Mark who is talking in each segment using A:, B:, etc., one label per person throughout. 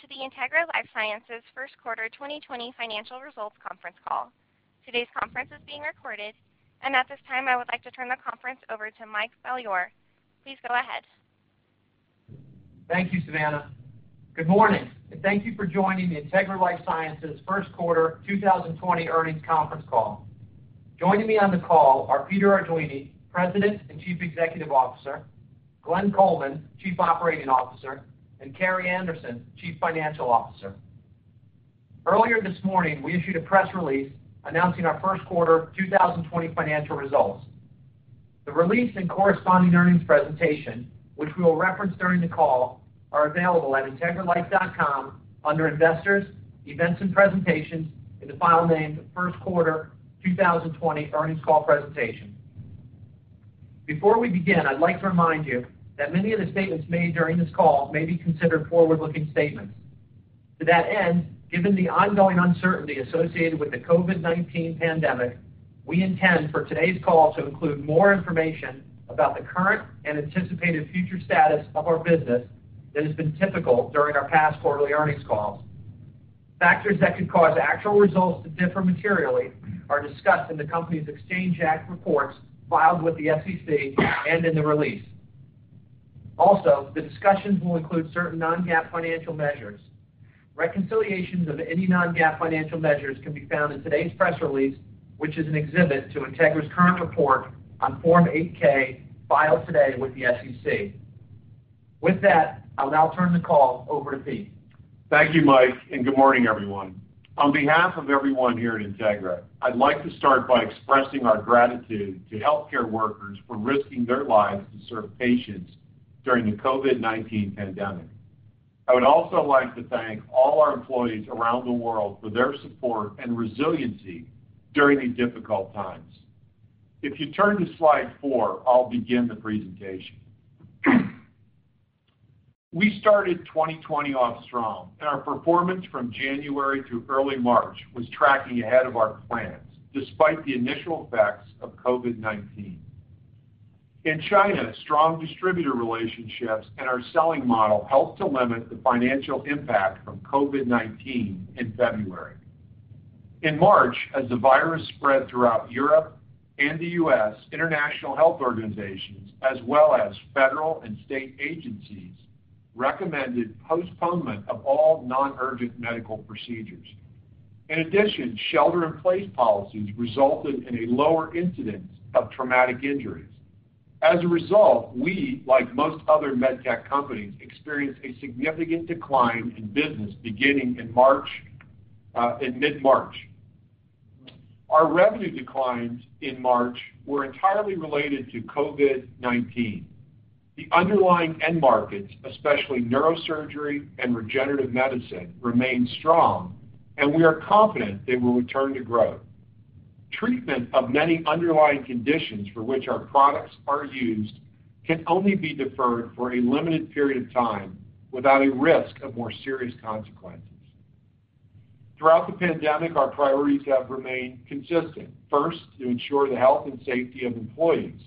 A: Welcome to the Integra LifeSciences Q1 2020 Financial Results Conference Call. Today's conference is being recorded, and at this time, I would like to turn the conference over to Mike Beaulieu. Please go ahead.
B: Thank you, Savannah. Good morning, and thank you for joining the Integra LifeSciences Q1 2020 Earnings Conference Call. Joining me on the call are Peter Arduini, President and Chief Executive Officer, Glenn Coleman, Chief Operating Officer, and Carrie Anderson, Chief Financial Officer. Earlier this morning, we issued a press release announcing our Q1 2020 financial results. The release and corresponding earnings presentation, which we will reference during the call, are available at integralife.com under Investors, Events and Presentations, with the file name Q1 2020 Earnings Call Presentation. Before we begin, I'd like to remind you that many of the statements made during this call may be considered forward-looking statements. To that end, given the ongoing uncertainty associated with the COVID-19 pandemic, we intend for today's call to include more information about the current and anticipated future status of our business than has been typical during our past quarterly earnings calls. Factors that could cause actual results to differ materially are discussed in the company's Exchange Act reports filed with the SEC and in the release. Also, the discussions will include certain non-GAAP financial measures. Reconciliations of any non-GAAP financial measures can be found in today's press release, which is an exhibit to Integra's current report on Form 8-K filed today with the SEC. With that, I'll now turn the call over to Peter.
C: Thank you, Mike, and good morning, everyone. On behalf of everyone here at Integra, I'd like to start by expressing our gratitude to healthcare workers for risking their lives to serve patients during the COVID-19 pandemic. I would also like to thank all our employees around the world for their support and resiliency during these difficult times. If you turn to slide four, I'll begin the presentation. We started 2020 off strong, and our performance from January to early March was tracking ahead of our plans, despite the initial effects of COVID-19. In China, strong distributor relationships and our selling model helped to limit the financial impact from COVID-19 in February. In March, as the virus spread throughout Europe and the U.S., international health organizations, as well as federal and state agencies, recommended postponement of all non-urgent medical procedures. In addition, shelter-in-place policies resulted in a lower incidence of traumatic injuries. We, like most other med tech companies, experienced a significant decline in business beginning in mid-March. Our revenue declines in March were entirely related to COVID-19. The underlying end markets, especially neurosurgery and regenerative medicine, remain strong, and we are confident they will return to growth. Treatment of many underlying conditions for which our products are used can only be deferred for a limited period of time without a risk of more serious consequences. Throughout the pandemic, our priorities have remained consistent. First, to ensure the health and safety of employees.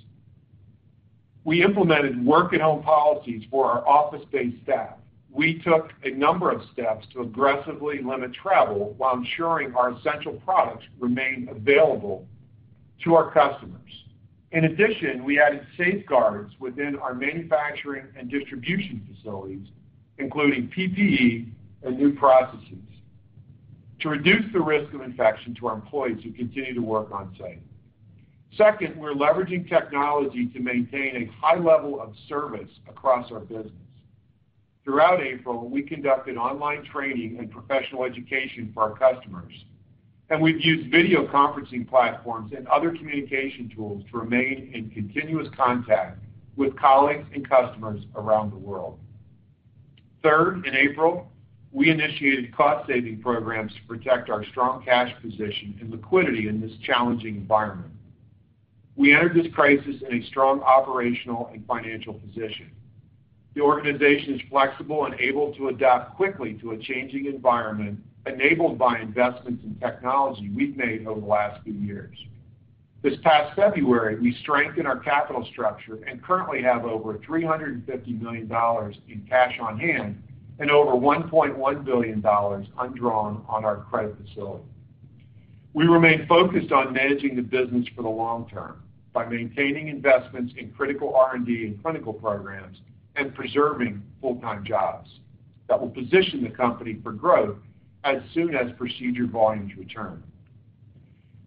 C: We implemented work-at-home policies for our office-based staff. We took a number of steps to aggressively limit travel while ensuring our essential products remained available to our customers. In addition, we added safeguards within our manufacturing and distribution facilities, including PPE and new processes to reduce the risk of infection to our employees who continue to work on-site. Second, we're leveraging technology to maintain a high level of service across our business. Throughout April, we conducted online training and professional education for our customers, and we've used video conferencing platforms and other communication tools to remain in continuous contact with colleagues and customers around the world. Third, in April, we initiated cost-saving programs to protect our strong cash position and liquidity in this challenging environment. We entered this crisis in a strong operational and financial position. The organization is flexible and able to adapt quickly to a changing environment enabled by investments in technology we've made over the last few years. This past February, we strengthened our capital structure and currently have over $350 million in cash on hand and over $1.1 billion undrawn on our credit facility. We remain focused on managing the business for the long term by maintaining investments in critical R&D and clinical programs and preserving full-time jobs that will position the company for growth as soon as procedure volumes return.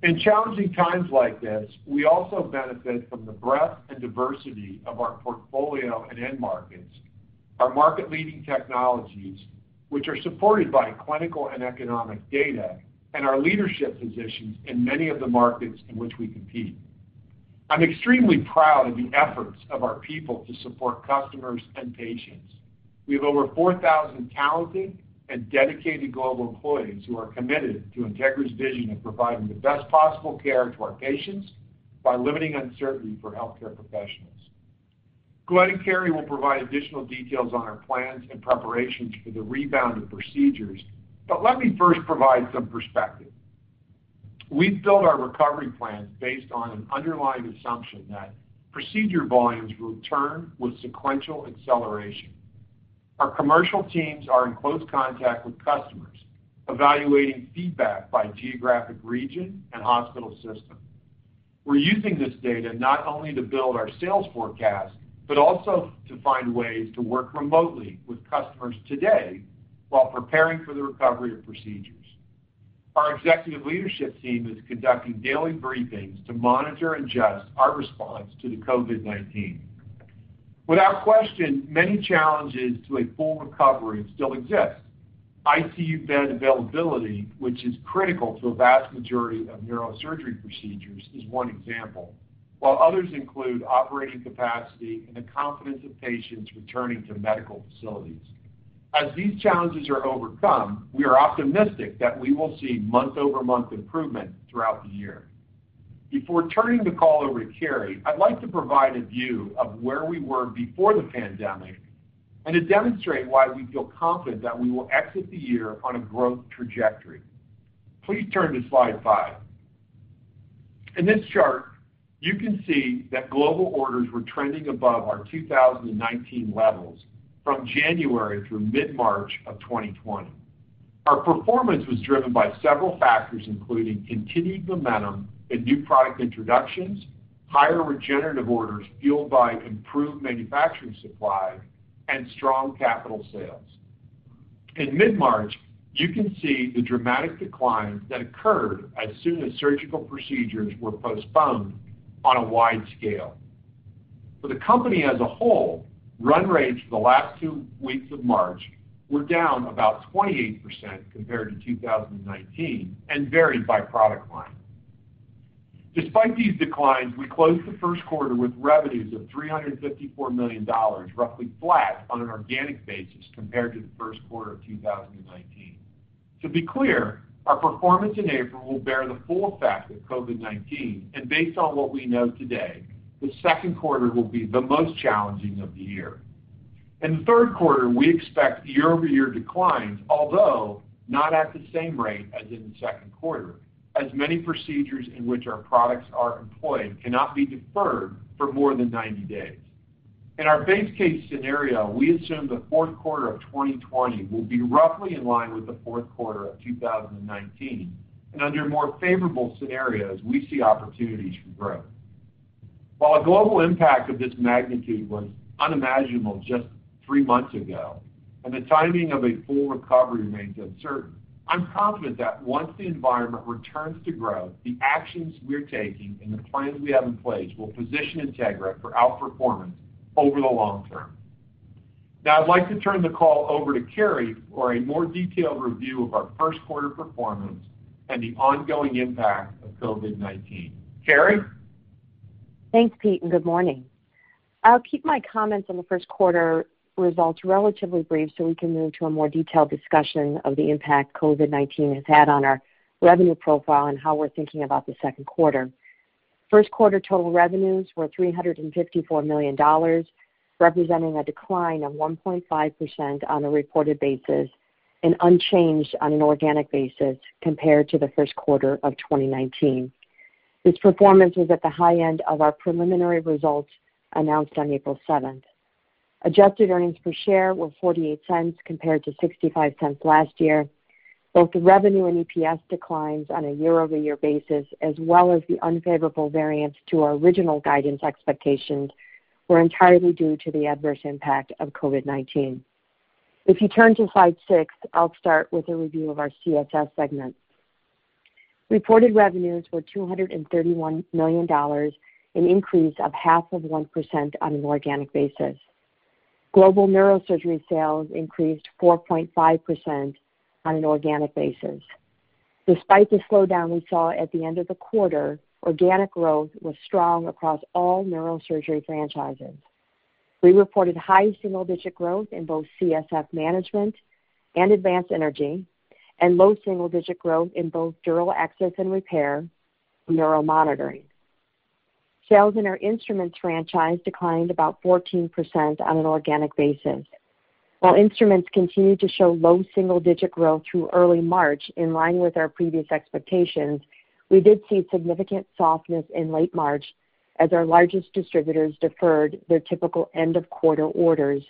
C: In challenging times like this, we also benefit from the breadth and diversity of our portfolio and end markets, our market-leading technologies, which are supported by clinical and economic data, and our leadership positions in many of the markets in which we compete. I'm extremely proud of the efforts of our people to support customers and patients. We have over 4,000 talented and dedicated global employees who are committed to Integra's vision of providing the best possible care to our patients by limiting uncertainty for healthcare professionals. Glenn and Carrie will provide additional details on our plans and preparations for the Rebound of procedures. Let me first provide some perspective. We've built our recovery plans based on an underlying assumption that procedure volumes will return with sequential acceleration. Our commercial teams are in close contact with customers, evaluating feedback by geographic region and hospital system. We're using this data not only to build our sales forecast, but also to find ways to work remotely with customers today while preparing for the recovery of procedures. Our executive leadership team is conducting daily briefings to monitor and adjust our response to the COVID-19. Without question, many challenges to a full recovery still exist. ICU bed availability, which is critical to a vast majority of neurosurgery procedures, is one example, while others include operating capacity and the confidence of patients returning to medical facilities. As these challenges are overcome, we are optimistic that we will see month-over-month improvement throughout the year. Before turning the call over to Carrie, I'd like to provide a view of where we were before the pandemic and to demonstrate why we feel confident that we will exit the year on a growth trajectory. Please turn to slide five. In this chart, you can see that global orders were trending above our 2019 levels from January through mid-March of 2020. Our performance was driven by several factors, including continued momentum in new product introductions, higher regenerative orders fueled by improved manufacturing supply, and strong capital sales. In mid-March, you can see the dramatic decline that occurred as soon as surgical procedures were postponed on a wide scale. For the company as a whole, run rates for the last two weeks of March were down about 28% compared to 2019 and varied by product line. Despite these declines, we closed the Q1 with revenues of $354 million, roughly flat on an organic basis compared to the Q1 of 2019. To be clear, our performance in April will bear the full effect of COVID-19, and based on what we know today, the Q2 will be the most challenging of the year. In the Q3, we expect year-over-year declines, although not at the same rate as in the Q2, as many procedures in which our products are employed cannot be deferred for more than 90 days. In our base case scenario, we assume the Q4 of 2020 will be roughly in line with the Q4 of 2019, and under more favorable scenarios, we see opportunities for growth. While a global impact of this magnitude was unimaginable just three months ago and the timing of a full recovery remains uncertain, I'm confident that once the environment returns to growth, the actions we're taking and the plans we have in place will position Integra for outperformance over the long term. Now I'd like to turn the call over to Carrie for a more detailed review of our Q1 performance and the ongoing impact of COVID-19. Carrie?
D: Thanks, Peter, and good morning. I'll keep my comments on the Q1 results relatively brief so we can move to a more detailed discussion of the impact COVID-19 has had on our revenue profile and how we're thinking about the Q2. Q1 total revenues were $354 million, representing a decline of 1.5% on a reported basis and unchanged on an organic basis compared to the Q1 of 2019. This performance was at the high end of our preliminary results announced on April 7th. Adjusted earnings per share were $0.48 compared to $0.65 last year. Both the revenue and EPS declines on a year-over-year basis, as well as the unfavorable variance to our original guidance expectations, were entirely due to the adverse impact of COVID-19. If you turn to slide six, I'll start with a review of our CSF segment. Reported revenues were $231 million, an increase of half of 1% on an organic basis. Global neurosurgery sales increased 4.5% on an organic basis. Despite the slowdown we saw at the end of the quarter, organic growth was strong across all neurosurgery franchises. We reported high single-digit growth in both CSF management and advanced energy, and low single-digit growth in both dural access and repair, neuro monitoring. Sales in our instruments franchise declined about 14% on an organic basis. While instruments continued to show low double-digit growth through early March, in line with our previous expectations, we did see significant softness in late March as our largest distributors deferred their typical end-of-quarter orders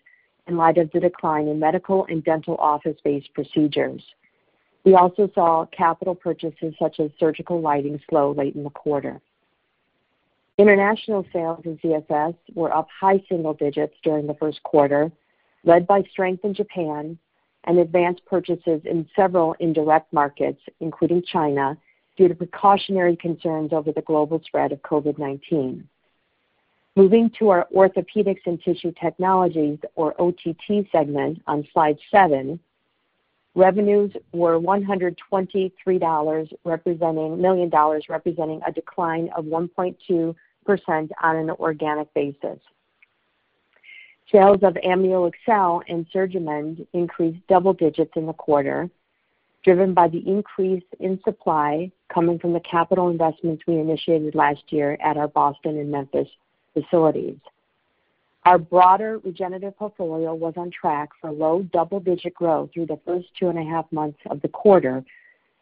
D: in light of the decline in medical and dental office-based procedures. We also saw capital purchases such as surgical lighting slow late in the quarter. International sales in CSF were up high single digits during the Q1, led by strength in Japan and advanced purchases in several indirect markets, including China, due to precautionary concerns over the global spread of COVID-19. Moving to our Orthopedics and Tissue Technologies or OTT segment on slide seven, revenues were $123 million, representing a decline of 1.2% on an organic basis. Sales of AmnioExcel Plus and SurgiMend increased double digits in the quarter, driven by the increase in supply coming from the capital investments we initiated last year at our Boston and Memphis facilities. Our broader regenerative portfolio was on track for low double-digit growth through the first two and a half months of the quarter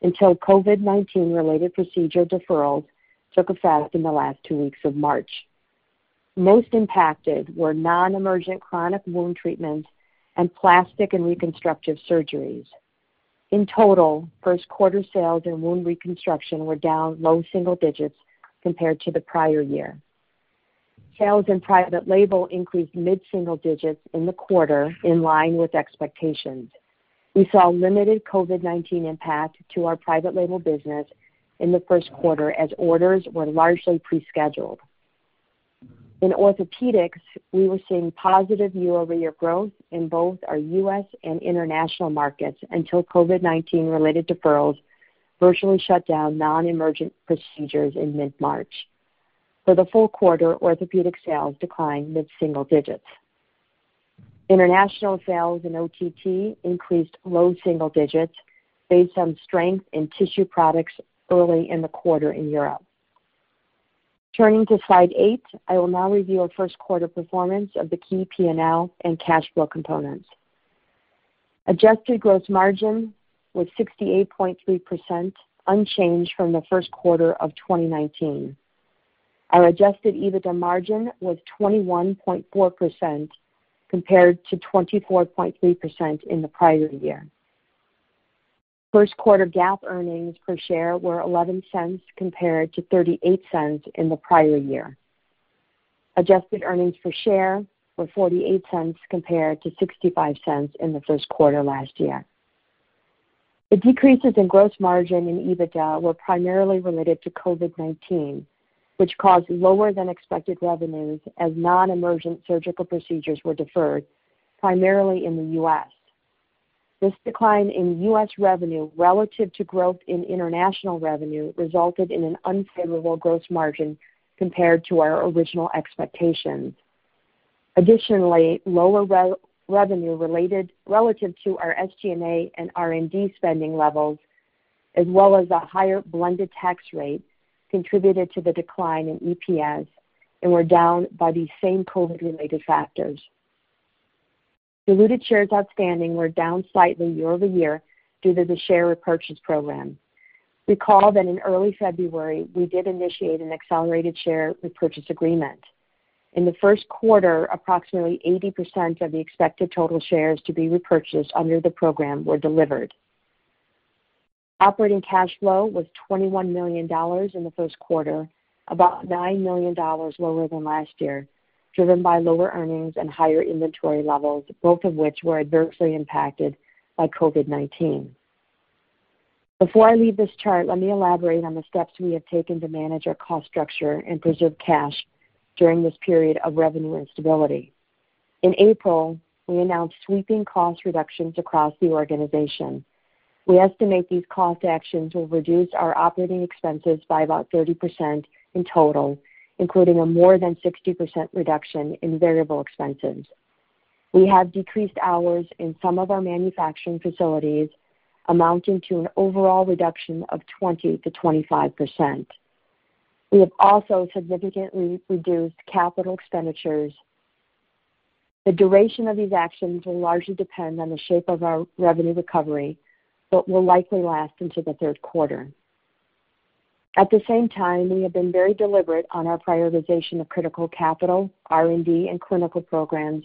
D: until COVID-19 related procedure deferrals took effect in the last two weeks of March. Most impacted were non-emergent chronic wound treatments and plastic and reconstructive surgeries. In total, Q1 sales in wound reconstruction were down low single digits compared to the prior year. Sales in private label increased mid-single digits in the quarter in line with expectations. We saw limited COVID-19 impact to our private label business in the Q1 as orders were largely pre-scheduled. In orthopedics, we were seeing positive year-over-year growth in both our U.S. and international markets until COVID-19 related deferrals virtually shut down non-emergent procedures in mid-March. For the full quarter, orthopedic sales declined mid-single digits. International sales in OTT increased low single digits based on strength in tissue products early in the quarter in Europe. Turning to slide eight, I will now review our Q1 performance of the key P&L and cash flow components. Adjusted gross margin was 68.3%, unchanged from the Q1 of 2019. Our adjusted EBITDA margin was 21.4% compared to 24.3% in the prior year. Q1 GAAP earnings per share were $0.11 compared to $0.38 in the prior year. Adjusted earnings per share were $0.48 compared to $0.65 in the Q1 last year. The decreases in gross margin in EBITDA were primarily related to COVID-19, which caused lower than expected revenues as non-emergent surgical procedures were deferred, primarily in the U.S. This decline in U.S. revenue relative to growth in international revenue resulted in an unfavorable gross margin compared to our original expectations. Lower revenue relative to our SG&A and R&D spending levels, as well as a higher blended tax rate contributed to the decline in EPS and were down by these same COVID-related factors. Diluted shares outstanding were down slightly year-over-year due to the share repurchase program. Recall that in early February, we did initiate an accelerated share repurchase agreement. In the Q1, approximately 80% of the expected total shares to be repurchased under the program were delivered. Operating cash flow was $21 million in the Q1, about $9 million lower than last year, driven by lower earnings and higher inventory levels, both of which were adversely impacted by COVID-19. Before I leave this chart, let me elaborate on the steps we have taken to manage our cost structure and preserve cash during this period of revenue instability. In April, we announced sweeping cost reductions across the organization. We estimate these cost actions will reduce our operating expenses by about 30% in total, including a more than 60% reduction in variable expenses. We have decreased hours in some of our manufacturing facilities, amounting to an overall reduction of 20% to 25%. We have also significantly reduced capital expenditures. The duration of these actions will largely depend on the shape of our revenue recovery, but will likely last into the Q3. At the same time, we have been very deliberate on our prioritization of critical capital, R&D, and clinical programs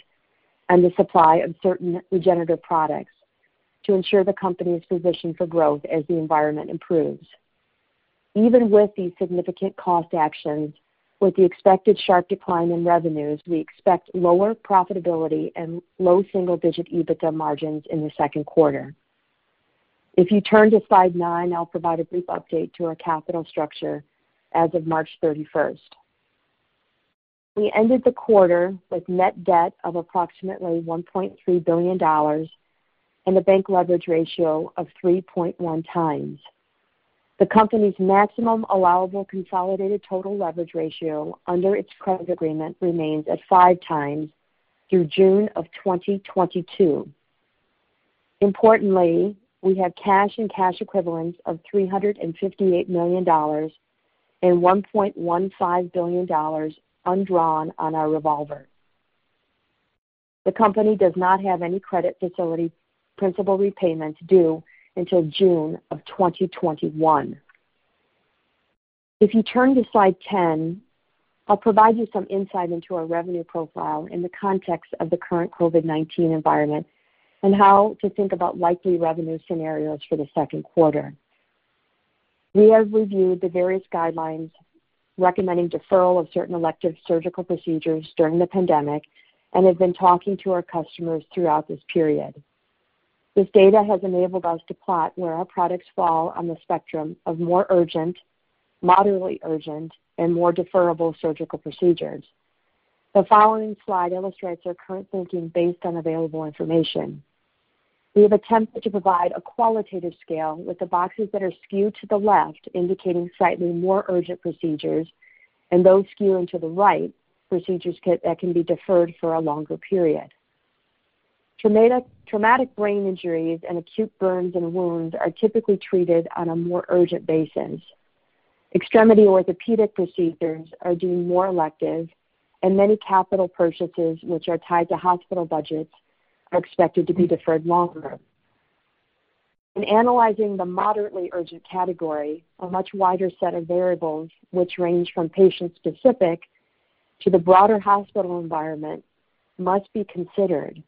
D: and the supply of certain regenerative products to ensure the company is positioned for growth as the environment improves. Even with these significant cost actions, with the expected sharp decline in revenues, we expect lower profitability and low single-digit EBITDA margins in the Q2. If you turn to slide nine, I'll provide a brief update to our capital structure as of March 31st. We ended the quarter with net debt of approximately $1.3 billion and a bank leverage ratio of three point one times. The company's maximum allowable consolidated total leverage ratio under its credit agreement remains at five times through June of 2022. Importantly, we have cash and cash equivalents of $358 million and $1.15 billion undrawn on our revolver. The company does not have any credit facility principal repayments due until June of 2021. If you turn to slide 10, I'll provide you some insight into our revenue profile in the context of the current COVID-19 environment and how to think about likely revenue scenarios for the Q2. We have reviewed the various guidelines recommending deferral of certain elective surgical procedures during the pandemic and have been talking to our customers throughout this period. This data has enabled us to plot where our products fall on the spectrum of more urgent, moderately urgent, and more deferrable surgical procedures. The following slide illustrates our current thinking based on available information. We have attempted to provide a qualitative scale with the boxes that are skewed to the left indicating slightly more urgent procedures, and those skewing to the right, procedures that can be deferred for a longer period. Traumatic brain injuries and acute burns and wounds are typically treated on a more urgent basis. Extremity orthopedic procedures are deemed more elective, and many capital purchases, which are tied to hospital budgets, are expected to be deferred longer. In analyzing the moderately urgent category, a much wider set of variables, which range from patient-specific to the broader hospital environment, must be considered.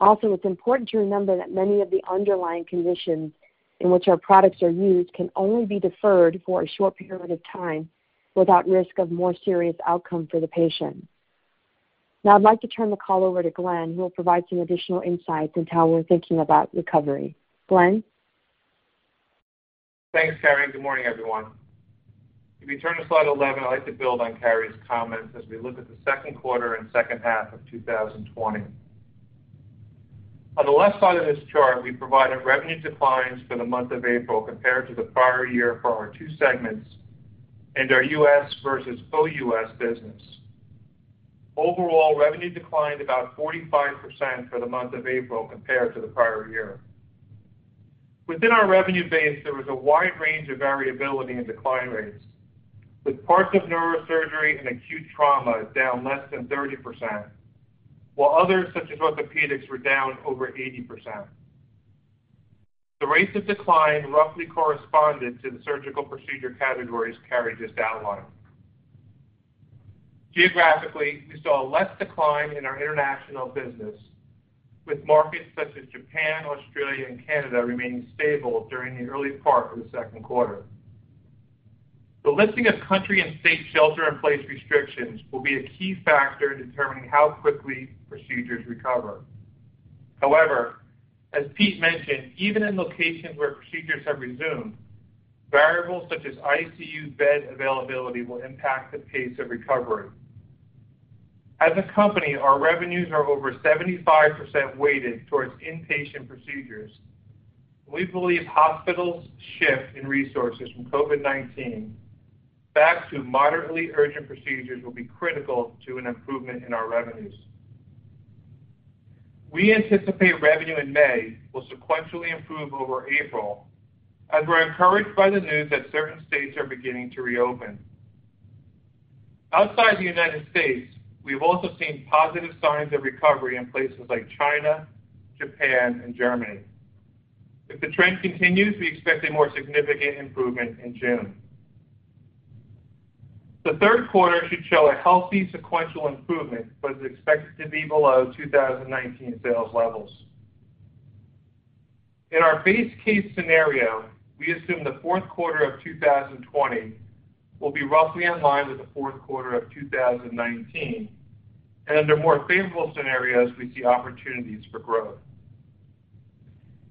D: Also, it's important to remember that many of the underlying conditions in which our products are used can only be deferred for a short period of time without risk of more serious outcome for the patient. Now I'd like to turn the call over to Glenn, who will provide some additional insights into how we're thinking about recovery. Glenn?
E: Thanks, Carrie. Good morning, everyone. If you turn to slide 11, I'd like to build on Carrie's comments as we look at the Q2 and H2 of 2020. On the left side of this chart, we provided revenue declines for the month of April compared to the prior year for our two segments and our U.S. versus OUS business. Overall, revenue declined about 45% for the month of April compared to the prior year. Within our revenue base, there was a wide range of variability in decline rates, with parts of neurosurgery and acute trauma down less than 30%, while others, such as orthopedics, were down over 80%. The rates of decline roughly corresponded to the surgical procedure categories Carrie just outlined. Geographically, we saw less decline in our international business, with markets such as Japan, Australia, and Canada remaining stable during the early part of the Q2. The lifting of country and state shelter-in-place restrictions will be a key factor in determining how quickly procedures recover. However, as Peter mentioned, even in locations where procedures have resumed, variables such as ICU bed availability will impact the pace of recovery. As a company, our revenues are over 75% weighted towards in-patient procedures. We believe hospitals' shift in resources from COVID-19 back to moderately urgent procedures will be critical to an improvement in our revenues. We anticipate revenue in May will sequentially improve over April, as we're encouraged by the news that certain states are beginning to reopen. Outside the United States, we've also seen positive signs of recovery in places like China, Japan, and Germany. If the trend continues, we expect a more significant improvement in June. The Q3 should show a healthy sequential improvement, but is expected to be below 2019 sales levels. In our base case scenario, we assume the Q4 of 2020 will be roughly in line with the Q4 of 2019, and under more favorable scenarios, we see opportunities for growth.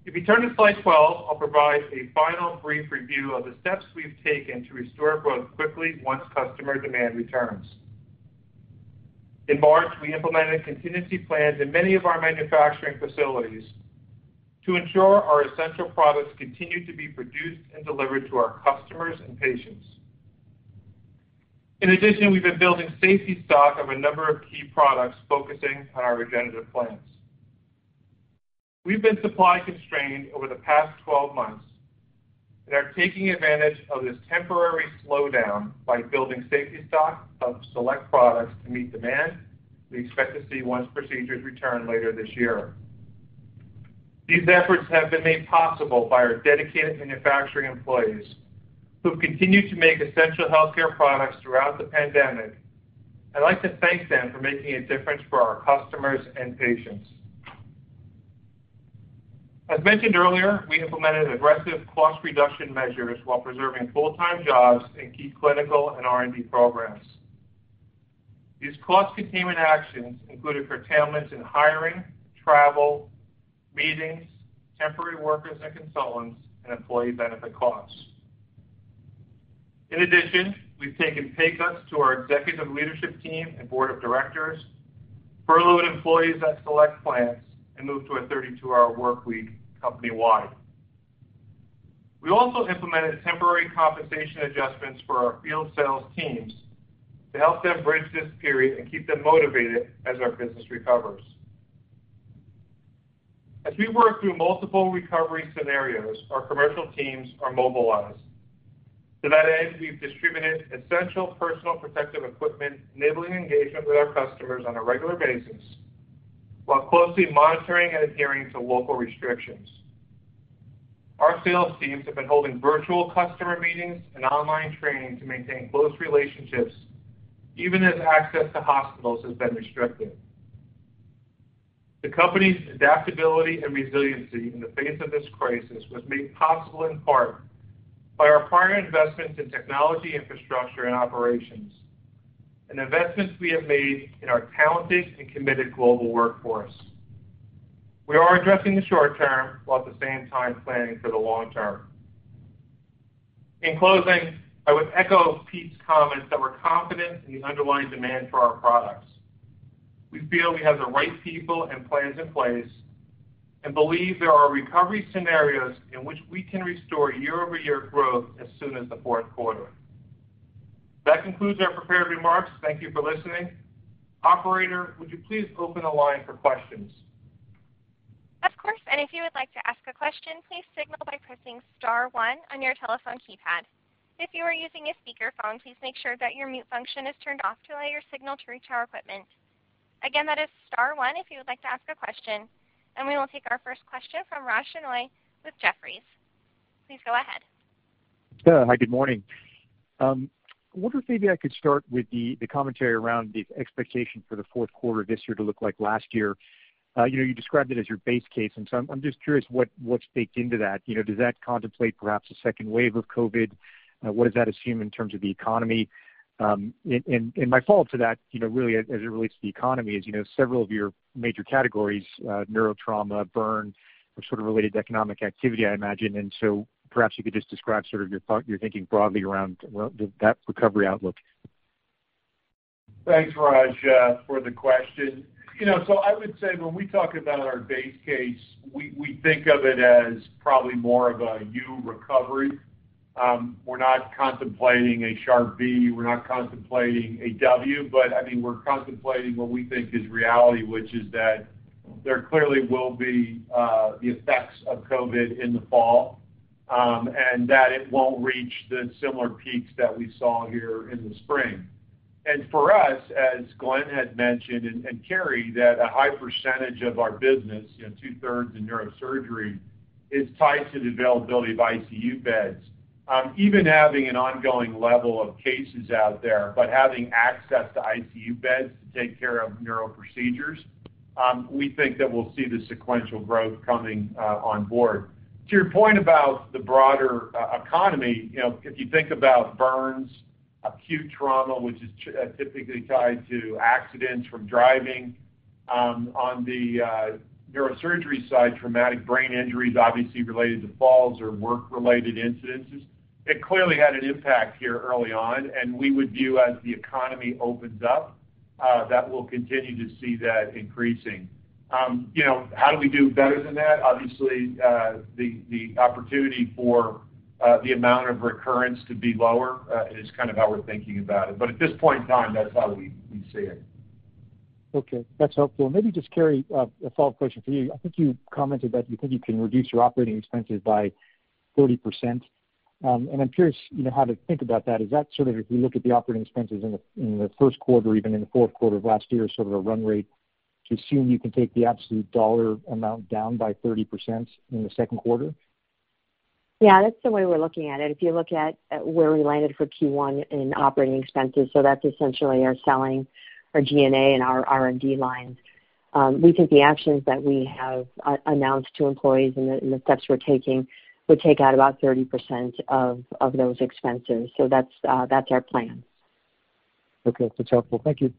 E: If you turn to slide 12, I'll provide a final brief review of the steps we've taken to restore growth quickly once customer demand returns. In March, we implemented contingency plans in many of our manufacturing facilities to ensure our essential products continued to be produced and delivered to our customers and patients. In addition, we've been building safety stock of a number of key products, focusing on our regenerative products. We've been supply constrained over the past 12 months and are taking advantage of this temporary slowdown by building safety stock of select products to meet demand we expect to see once procedures return later this year. These efforts have been made possible by our dedicated manufacturing employees, who have continued to make essential healthcare products throughout the pandemic. I'd like to thank them for making a difference for our customers and patients. As mentioned earlier, we implemented aggressive cost reduction measures while preserving full-time jobs in key clinical and R&D programs. These cost containment actions included curtailments in hiring, travel, meetings, temporary workers and consultants, and employee benefit costs. In addition, we've taken pay cuts to our executive leadership team and board of directors, furloughed employees at select plants, and moved to a 32-hour workweek company-wide. We also implemented temporary compensation adjustments for our field sales teams to help them bridge this period and keep them motivated as our business recovers. As we work through multiple recovery scenarios, our commercial teams are mobilized. To that end, we've distributed essential personal protective equipment, enabling engagement with our customers on a regular basis while closely monitoring and adhering to local restrictions. Our sales teams have been holding virtual customer meetings and online training to maintain close relationships, even as access to hospitals has been restricted. The company's adaptability and resiliency in the face of this crisis was made possible in part by our prior investments in technology infrastructure and operations, and investments we have made in our talented and committed global workforce. We are addressing the short term while at the same time planning for the long term. In closing, I would echo Peter's comments that we're confident in the underlying demand for our products. We feel we have the right people and plans in place and believe there are recovery scenarios in which we can restore year-over-year growth as soon as the Q4.
C: That concludes our prepared remarks. Thank you for listening. Operator, would you please open the line for questions?
A: Of course. If you would like to ask a question, please signal by pressing star one on your telephone keypad. If you are using a speakerphone, please make sure that your mute function is turned off to allow your signal to reach our equipment. Again, that is star one if you would like to ask a question. We will take our first question from Raj Denhoy with Jefferies. Please go ahead.
F: Hi. Good morning. I wonder if maybe I could start with the commentary around the expectation for the Q4 of this year to look like last year. You described it as your base case, I'm just curious what's baked into that. Does that contemplate perhaps a second wave of COVID-19? What does that assume in terms of the economy? My follow-up to that, really, as it relates to the economy, is several of your major categories, neuro trauma, burn, are sort of related to economic activity, I imagine. Perhaps you could just describe sort of your thinking broadly around that recovery outlook.
C: Thanks, Raj, for the question. I would say when we talk about our base case, we think of it as probably more of a U recovery. We're not contemplating a sharp V. We're not contemplating a W, but we're contemplating what we think is reality, which is that there clearly will be the effects of COVID in the fall, and that it won't reach the similar peaks that we saw here in the spring. For us, as Glenn had mentioned, and Carrie, that a high percentage of our business, two-thirds in neurosurgery, is tied to the availability of ICU beds. Even having an ongoing level of cases out there, but having access to ICU beds to take care of neuro procedures, we think that we'll see the sequential growth coming on board. To your point about the broader economy, if you think about burns, acute trauma, which is typically tied to accidents from driving. On the neurosurgery side, traumatic brain injuries obviously related to falls or work-related incidents. It clearly had an impact here early on, and we would view as the economy opens up, that we'll continue to see that increasing. How do we do better than that? Obviously, the opportunity for the amount of recurrence to be lower is kind of how we're thinking about it. At this point in time, that's how we see it.
F: Okay. That's helpful. Maybe just, Carrie, a follow-up question for you. I think you commented that you think you can reduce your operating expenses by 30%, and I'm curious how to think about that. Is that sort of, if we look at the operating expenses in the Q1 or even in the Q4 of last year, sort of a run rate to assume you can take the absolute dollar amount down by 30% in the Q2?
D: Yeah, that's the way we're looking at it. If you look at where we landed for Q1 in operating expenses, that's essentially our selling, our G&A, and our R&D lines. We think the actions that we have announced to employees and the steps we're taking would take out about 30% of those expenses. That's our plan.
F: Okay. That's helpful. Thank you.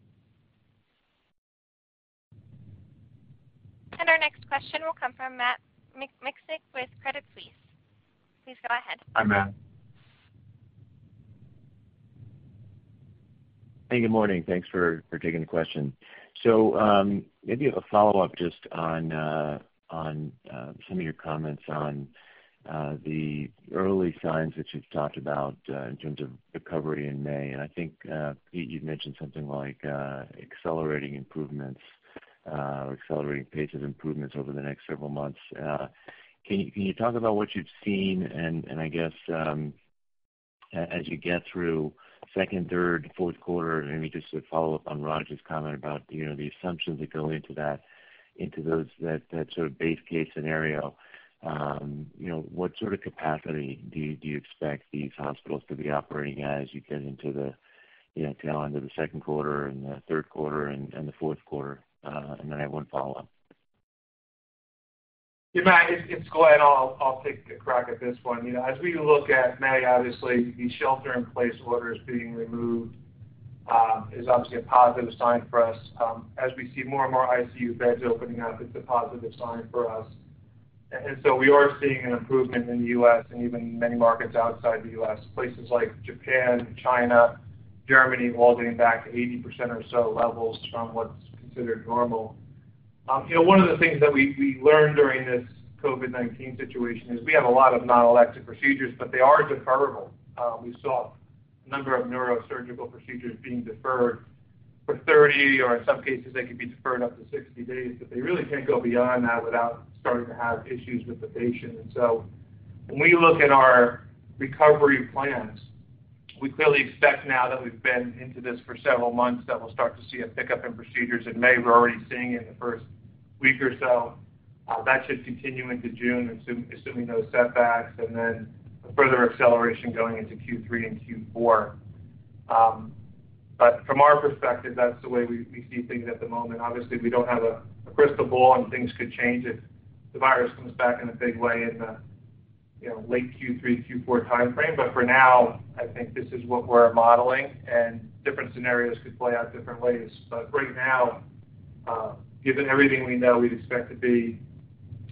A: Our next question will come from Matt Miksic with Credit Suisse. Please go ahead.
C: Hi, Matt.
G: Hey, good morning. Thanks for taking the question. Maybe a follow-up just on some of your comments on the early signs that you've talked about in terms of recovery in May. I think, Peter, you've mentioned something like accelerating improvements or accelerating pace of improvements over the next several months. Can you talk about what you've seen and I guess, as you get through Q2, Q3, Q4, and maybe just to follow up on Raj's comment about the assumptions that go into that sort of base case scenario. What sort of capacity do you expect these hospitals to be operating as you get into the Q2 and the Q3 and the Q4? Then I have one follow-up.
E: Matt, it's Glenn. I'll take a crack at this one. We look at May, obviously, the shelter-in-place orders being removed is obviously a positive sign for us. We see more and more ICU beds opening up, it's a positive sign for us. We are seeing an improvement in the U.S. and even many markets outside the U.S., places like Japan, China, Germany, all getting back to 80% or so levels from what's considered normal. One of the things that we learned during this COVID-19 situation is we have a lot of non-elective procedures, but they are deferrable. We saw a number of neurosurgical procedures being deferred for 30, or in some cases, they could be deferred up to 60 days, but they really can't go beyond that without starting to have issues with the patient. When we look at our recovery plans, we clearly expect now that we have been into this for several months, that we will start to see a pickup in procedures in May. We are already seeing it in the first week or so. That should continue into June, assuming no setbacks, and then a further acceleration going into Q3 and Q4. From our perspective, that is the way we see things at the moment. Obviously, we do not have a crystal ball and things could change if the virus comes back in a big way in the late Q3, Q4 timeframe. But for now, I think this is what we are modeling and different scenarios could play out different ways. For now, given everything we know, we would expect to be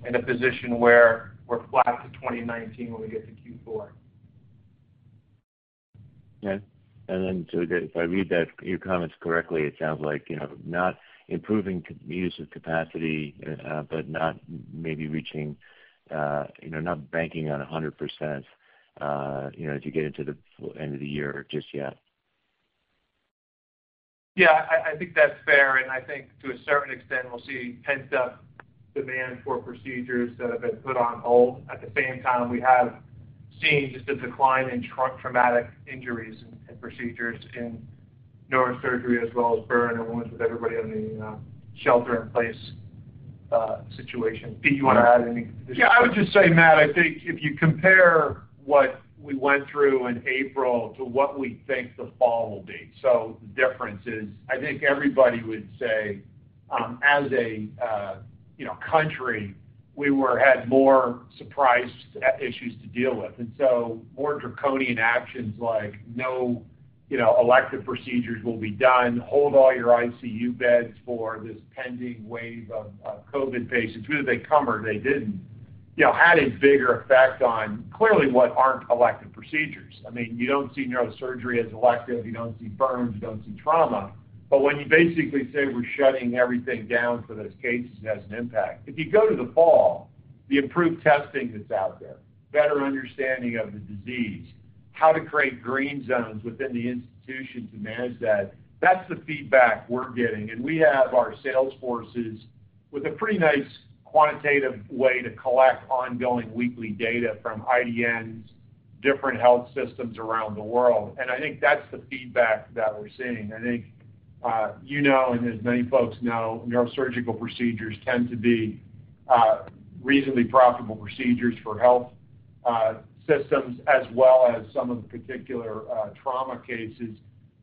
E: in a position where we are flat to 2019 when we get to Q4.
G: Okay. If I read your comments correctly, it sounds like not improving the use of capacity, but not maybe reaching, you know, not banking on 100% as you get into the end of the year just yet.
E: Yeah, I think that's fair, and I think to a certain extent, we'll see pent-up demand for procedures that have been put on hold. At the same time, we have seen just a decline in traumatic injuries and procedures in neurosurgery as well as burn and wounds with everybody on the shelter-in-place situation. Peter, you want to add anything to this?
C: Yeah, I would just say, Matt, I think if you compare what we went through in April to what we think the fall will be, the difference is, I think everybody would say, as a country, we had more surprise issues to deal with. More draconian actions like no elective procedures will be done, hold all your ICU beds for this pending wave of COVID patients, whether they come or they didn't, had a bigger effect on clearly what aren't elective procedures. You don't see neurosurgery as elective, you don't see burns, you don't see trauma. When you basically say we're shutting everything down for those cases, it has an impact. If you go to the fall, the improved testing that's out there, better understanding of the disease, how to create green zones within the institution to manage that's the feedback we're getting. We have our sales forces with a pretty nice quantitative way to collect ongoing weekly data from IDNs, different health systems around the world. I think that's the feedback that we're seeing. I think you know, and as many folks know, neurosurgical procedures tend to be reasonably profitable procedures for health systems as well as some of the particular trauma cases.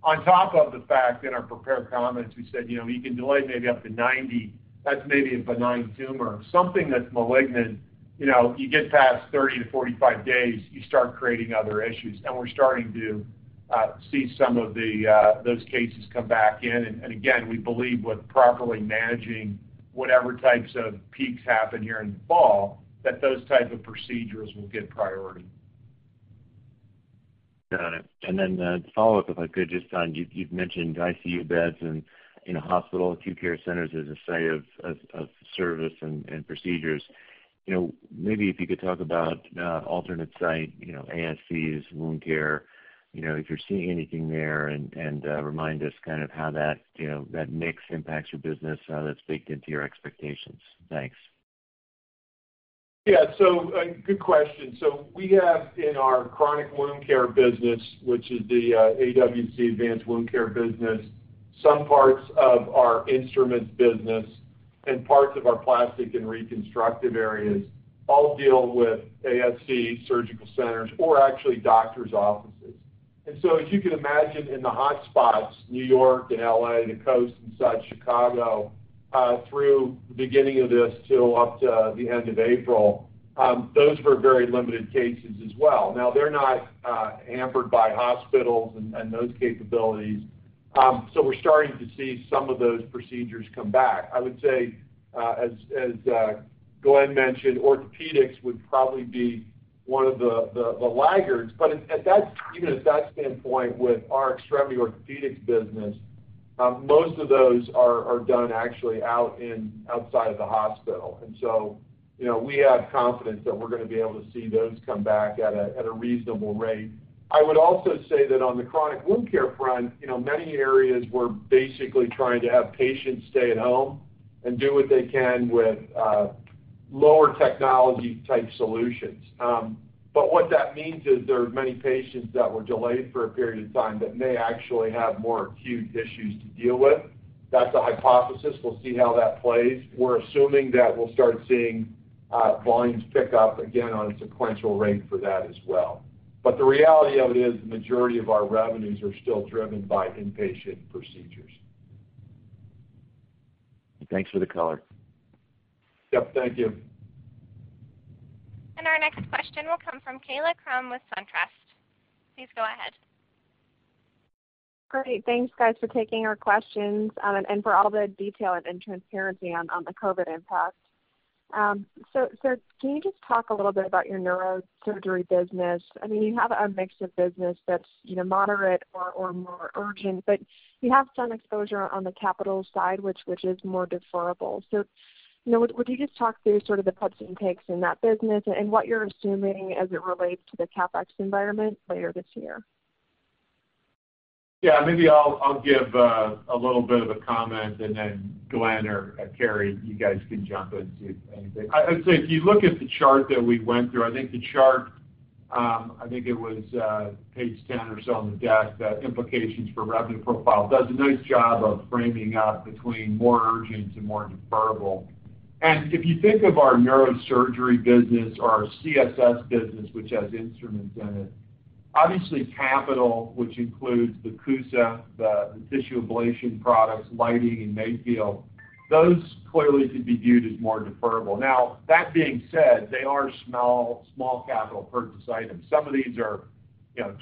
C: On top of the fact, in our prepared comments, we said you can delay maybe up to 90, that's maybe a benign tumor. Something that's malignant, you get past 30 to 45 days, you start creating other issues. We're starting to see some of those cases come back in. Again, we believe with properly managing whatever types of peaks happen here in the fall, that those type of procedures will get priority.
G: Got it. And then the follow-up, you've mentioned ICU beds and hospital acute care centers as a site of service and procedures. Maybe if you could talk about alternate site, ASCs, wound care, if you're seeing anything there and remind us kind of how that mix impacts your business, how that's baked into your expectations. Thanks.
C: Yes, so a good question. We have in our chronic wound care business, which is the AWC Advanced Wound Care business, some parts of our instruments business and parts of our plastic and reconstructive areas all deal with ASC surgical centers or actually doctor's offices. As you can imagine in the hotspots, New York and L.A., the coast and inside Chicago, through the beginning of this till up to the end of April, those were very limited cases as well. They're not hampered by hospitals and those capabilities, so we're starting to see some of those procedures come back. I would say, as Glenn mentioned, orthopedics would probably be one of the laggards, but even at that standpoint with our extremity orthopedics business, most of those are done actually outside of the hospital. And so we have confidence that we're going to be able to see those come back at a reasonable rate. I would also say that on the chronic wound care front, many areas we're basically trying to have patients stay at home and do what they can with lower technology type solutions. What that means is there are many patients that were delayed for a period of time that may actually have more acute issues to deal with. That's a hypothesis. We'll see how that plays. We're assuming that we'll start seeing volumes pick up again on a sequential rate for that as well. The reality of it is the majority of our revenues are still driven by inpatient procedures.
G: Thanks for the call.
C: Yep. Thank you.
A: Our next question will come from Kaila Krum with SunTrust. Please go ahead.
H: Great. Thanks, guys, for taking our questions and for all the detail and transparency on the COVID-19 impact. Can you just talk a little bit about your neurosurgery business? You have a mix of business that's moderate or more urgent, but you have some exposure on the capital side, which is more deferrable. Would you just talk through sort of the puts and takes in that business and what you're assuming as it relates to the CapEx environment later this year?
C: Yeah. Maybe I'll give a little bit of a comment and then Glenn or Carrie, you guys can jump into anything. I'd say if you look at the chart that we went through, I think the chart, I think it was page 10 or so on the deck, the implications for revenue profile does a nice job of framing up between more urgent and more deferrable. If you think of our neurosurgery business or our CSS business, which has instruments in it, obviously capital, which includes the CUSA, the tissue ablation products, lighting, and MAYFIELD, those clearly could be viewed as more deferrable. Now that being said, they are small capital purchase items. Some of these are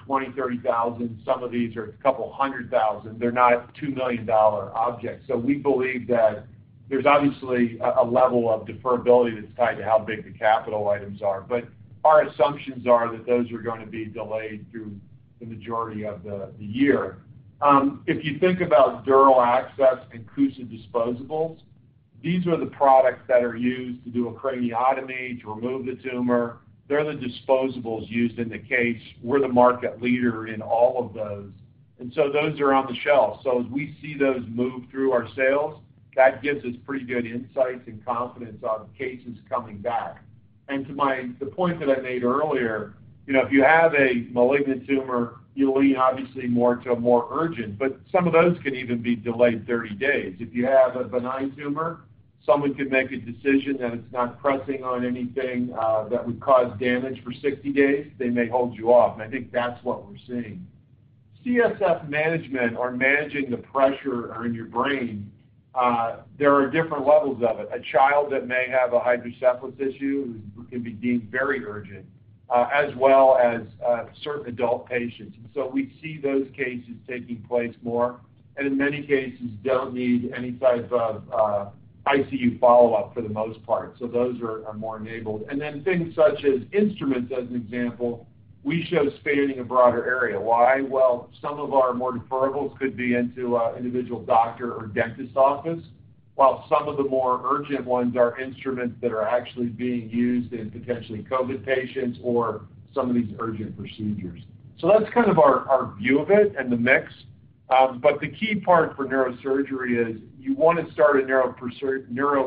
C: 20,000, 30,000. Some of these are a couple hundred thousand. They're not $2 million objects. We believe that there's obviously a level of deferrability that's tied to how big the capital items are. But our assumptions are that those are going to be delayed through the majority of the year. If you think about DuraGen and CUSA disposables. These are the products that are used to do a craniotomy to remove the tumor. They're the disposables used in the case. We're the market leader in all of those, and so those are on the shelf. As we see those move through our sales, that gives us pretty good insights and confidence on cases coming back. To the point that I made earlier, if you have a malignant tumor, you lean obviously more to a more urgent, but some of those can even be delayed 30 days. If you have a benign tumor, someone could make a decision that it's not pressing on anything that would cause damage for 60 days, they may hold you off, and I think that's what we're seeing. CSF management, or managing the pressure in your brain, there are different levels of it. A child that may have a hydrocephalus issue can be deemed very urgent, as well as certain adult patients. We see those cases taking place more, and in many cases, don't need any type of ICU follow-up for the most part. Those are more enabled. Things such as instruments, as an example, we show spanning a broader area. Why? Some of our more deferables could be into an individual doctor or dentist office, while some of the more urgent ones are instruments that are actually being used in potentially COVID-19 patients or some of these urgent procedures. That's kind of our view of it and the mix. The key part for neurosurgery is you want to start a neuro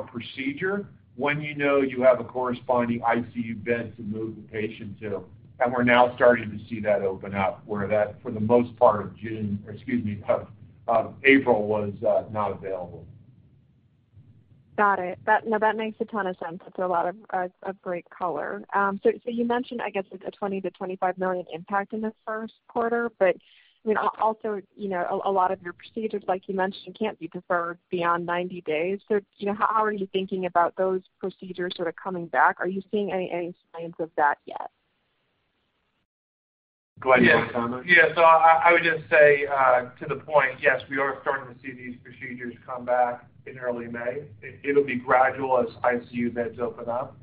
C: procedure when you know you have a corresponding ICU bed to move the patient to, and we're now starting to see that open up, where that, for the most part of June, or excuse me, of April, was not available.
H: Got it. Now, that makes a ton of sense. It's a lot of great color. You mentioned, I guess, a $20 million to $25 million impact in this Q1. Also, a lot of your procedures, like you mentioned, can't be deferred beyond 90 days. How are you thinking about those procedures sort of coming back? Are you seeing any signs of that yet?
C: Glenn, do you want to comment?
E: Yes. I would just say, to the point, yes, we are starting to see these procedures come back in early May. It'll be gradual as ICU beds open up,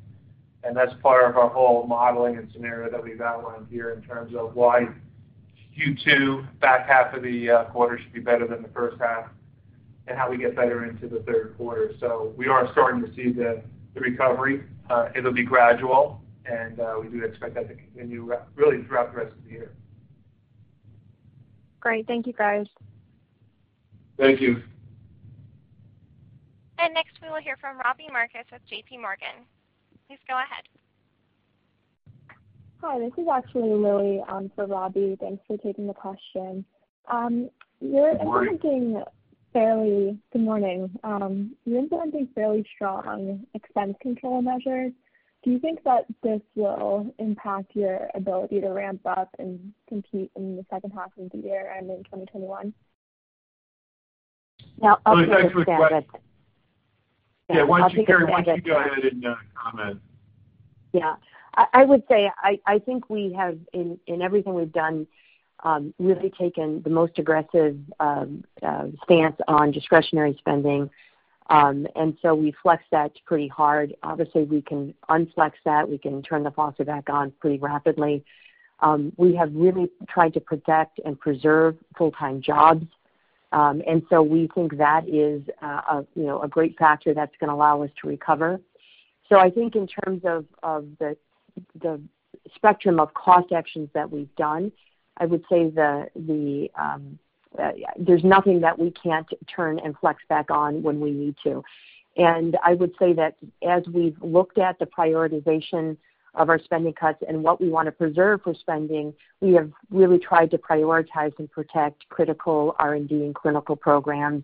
E: and that's part of our whole modeling and scenario that we've outlined here in terms of why Q2, back half of the quarter, should be better than the H1 and how we get better into the Q3. We are starting to see the recovery. It'll be gradual, and we do expect that to continue really throughout the rest of the year.
H: Great. Thank you, guys.
C: Thank you.
A: Next we will hear from Robbie Marcus with JP Morgan. Please go ahead.
I: Hi, this is actually Lily for Robbie. Thanks for taking the question.
C: Good morning.
I: Good morning. You're implementing fairly strong expense control measures. Do you think that this will impact your ability to ramp up and compete in the H2 of the year and in 2021?
D: Now, I'll take a stab at-
C: Yeah. Why don't you, Carrie, why don't you go ahead and comment?
D: I would say, I think we have, in everything we've done, really taken the most aggressive stance on discretionary spending. We flexed that pretty hard. Obviously, we can unflex that. We can turn the faucet back on pretty rapidly. We have really tried to protect and preserve full-time jobs. We think that is a great factor that's going to allow us to recover. So I think in terms of the spectrum of cost actions that we've done, I would say there's nothing that we can't turn and flex back on when we need to. I would say that as we've looked at the prioritization of our spending cuts and what we want to preserve for spending, we have really tried to prioritize and protect critical R&D and clinical programs,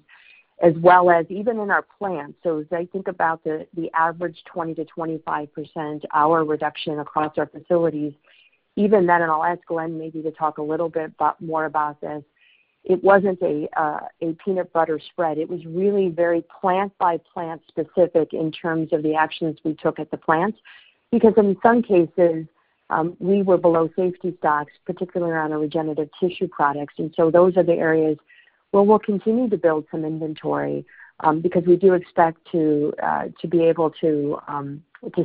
D: as well as even in our plants. As I think about the average 20% to 25% hour reduction across our facilities, even then, and I'll ask Glenn maybe to talk a little bit more about this, it wasn't a peanut butter spread. It was really very plant-by-plant specific in terms of the actions we took at the plants. In some cases, we were below safety stocks, particularly on our regenerative tissue products. Those are the areas where we'll continue to build some inventory, because we do expect to be able to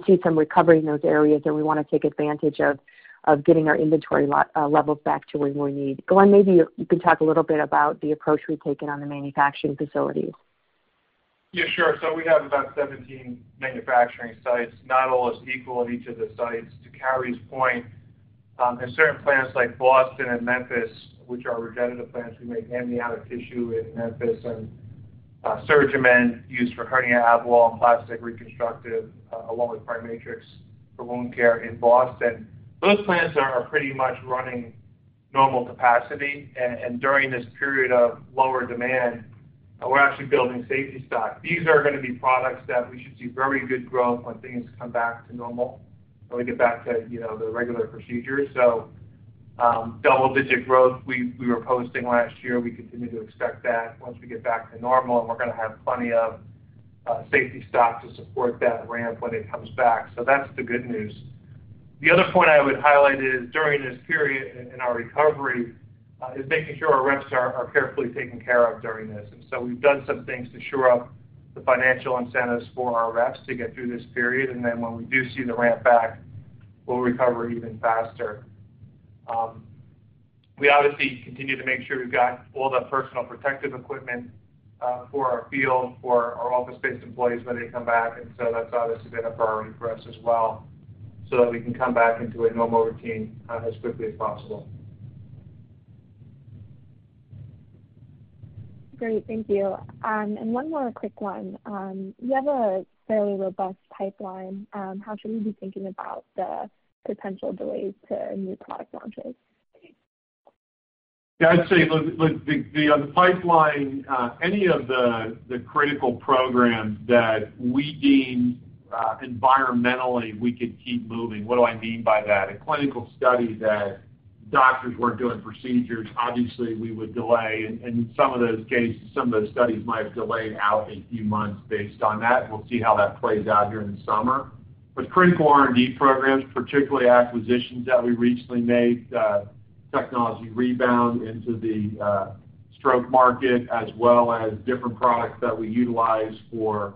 D: see some recovery in those areas, and we want to take advantage of getting our inventory levels back to where we need. Glenn, maybe you can talk a little bit about the approach we've taken on the manufacturing facilities.
E: Yeah, sure. We have about 17 manufacturing sites. Not all is equal at each of the sites. To Carrie's point, there are certain plants like Boston and Memphis, which are regenerative plants. We make amniotic tissue in Memphis and SurgiMend used for hernia, abdominal wall, and plastic reconstructive, along with PriMatrix for wound care in Boston. Those plants are pretty much running normal capacity, and during this period of lower demand, we're actually building safety stock. These are going to be products that we should see very good growth when things come back to normal, when we get back to the regular procedures. So, double-digit growth we were posting last year, we continue to expect that once we get back to normal, and we're going to have plenty of safety stock to support that ramp when it comes back. That's the good news. The other point I would highlight is during this period in our recovery is making sure our reps are carefully taken care of during this. We've done some things to shore up the financial incentives for our reps to get through this period. When we do see the ramp back, we'll recover even faster. We obviously continue to make sure we've got all the personal protective equipment for our field, for our office-based employees when they come back. That's obviously been a priority for us as well, so that we can come back into a normal routine as quickly as possible.
I: Great. Thank you. One more quick one. You have a fairly robust pipeline. How should we be thinking about the potential delays to new product launches?
C: Yeah, I'd say, look, the pipeline, any of the critical programs that we deem environmentally we could keep moving. What do I mean by that? A clinical study that doctors weren't doing procedures, obviously we would delay, and in some of those cases, some of those studies might have delayed out a few months based on that. We'll see how that plays out here in the summer. Critical R&D programs, particularly acquisitions that we recently made, technology rebound into the stroke market, as well as different products that we utilize for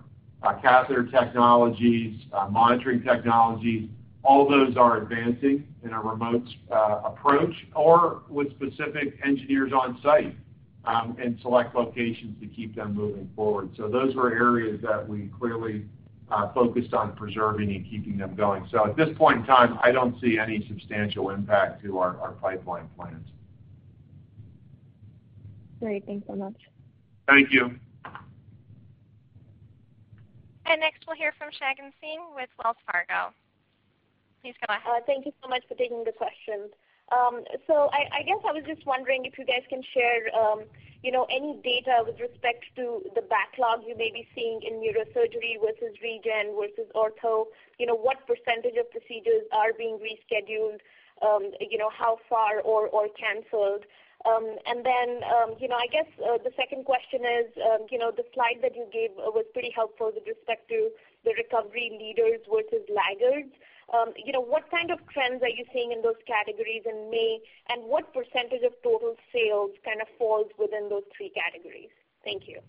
C: catheter technologies, monitoring technologies, all those are advancing in a remote approach or with specific engineers on site in select locations to keep them moving forward. Those are areas that we clearly focused on preserving and keeping them going. At this point in time, I don't see any substantial impact to our pipeline plans.
I: Great. Thanks so much.
C: Thank you.
A: Next, we'll hear from Shagun Singh with Wells Fargo. Please go ahead.
J: Thank you so much for taking the questions. I guess I was just wondering if you guys can share any data with respect to the backlog you may be seeing in neurosurgery versus regen, versus ortho. What % of procedures are being rescheduled, how far or canceled? I guess the second question is, the slide that you gave was pretty helpful with respect to the recovery leaders versus laggards. You know what kind of trends are you seeing in those categories in May, and what % of total sales kind of falls within those three categories? Thank you.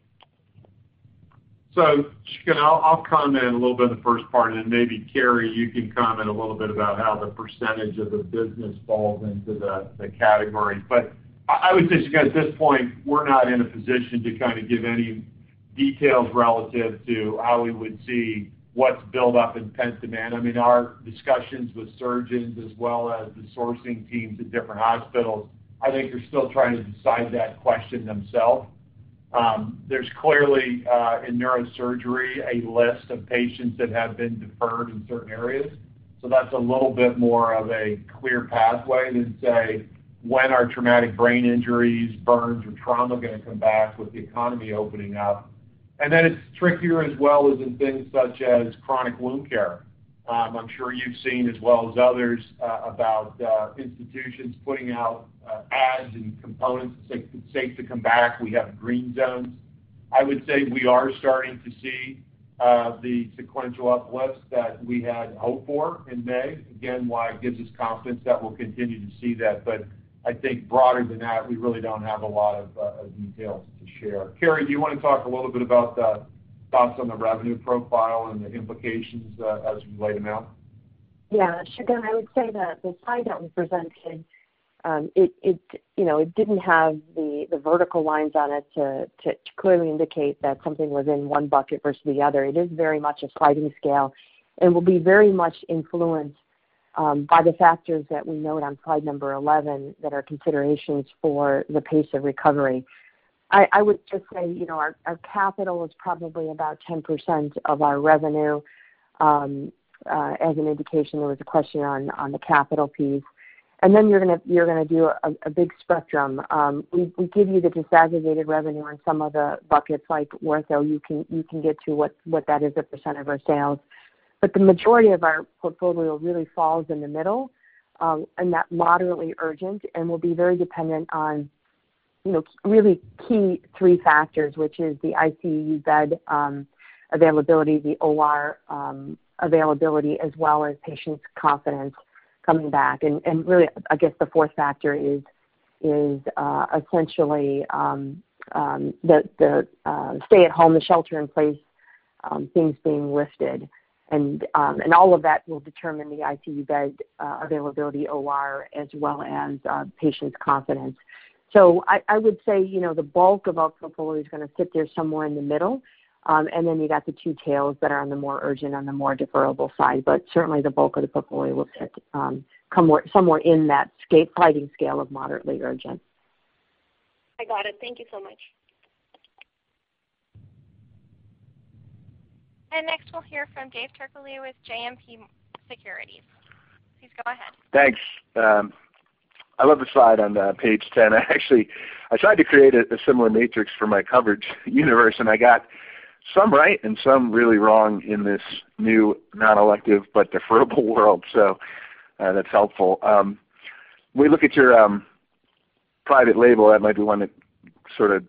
C: Shagun, I'll comment a little bit on the first part, and then maybe Carrie, you can comment a little bit about how the percentage of the business falls into the category. But I would say, Shagun, at this point, we're not in a position to kind of give any details relative to how we would see what's built up in pent demand. I mean, our discussions with surgeons as well as the sourcing teams at different hospitals, I think they're still trying to decide that question themselves. There's clearly, in neurosurgery, a list of patients that have been deferred in certain areas. That's a little bit more of a clear pathway than, say, when are traumatic brain injuries, burns, or trauma going to come back with the economy opening up. Then it's trickier as well as in things such as chronic wound care. I'm sure you've seen as well as others about institutions putting out ads and components. It's safe to come back. We have green zones. I would say we are starting to see the sequential uplifts that we had hoped for in May. Why it gives us confidence that we'll continue to see that. I think broader than that, we really don't have a lot of details to share. Carrie, do you want to talk a little bit about the thoughts on the revenue profile and the implications as we lay them out?
D: Yeah, Shagun, I would say that the slide that we presented, it didn't have the vertical lines on it to clearly indicate that something was in one bucket versus the other. It is very much a sliding scale and will be very much influenced by the factors that we note on slide number 11 that are considerations for the pace of recovery. I would just say our capital is probably about 10% of our revenue, as an indication, there was a question on the capital piece. And then you're going to do a big spectrum. We give you the disaggregated revenue on some of the buckets like ortho. You can get to what that is a % of our sales. The majority of our portfolio really falls in the middle, in that moderately urgent, and will be very dependent on really key three factors, which is the ICU bed availability, the OR availability, as well as patients' confidence coming back. Really, I guess the fourth factor is essentially the stay-at-home, the shelter-in-place things being lifted. All of that will determine the ICU bed availability, OR, as well as patients' confidence. So I would say the bulk of our portfolio is going to sit there somewhere in the middle. Then you got the two tails that are on the more urgent, on the more deferrable side. Certainly the bulk of the portfolio will sit somewhere in that sliding scale of moderately urgent.
J: I got it. Thank you so much.
A: Next we'll hear from Dave Turkaly with JMP Securities. Please go ahead.
K: Thanks. I love the slide on page 10. I actually tried to create a similar matrix for my coverage universe. I got some right and some really wrong in this new non-elective but deferrable world. That's helpful. When you look at your private label, that might be one that sort of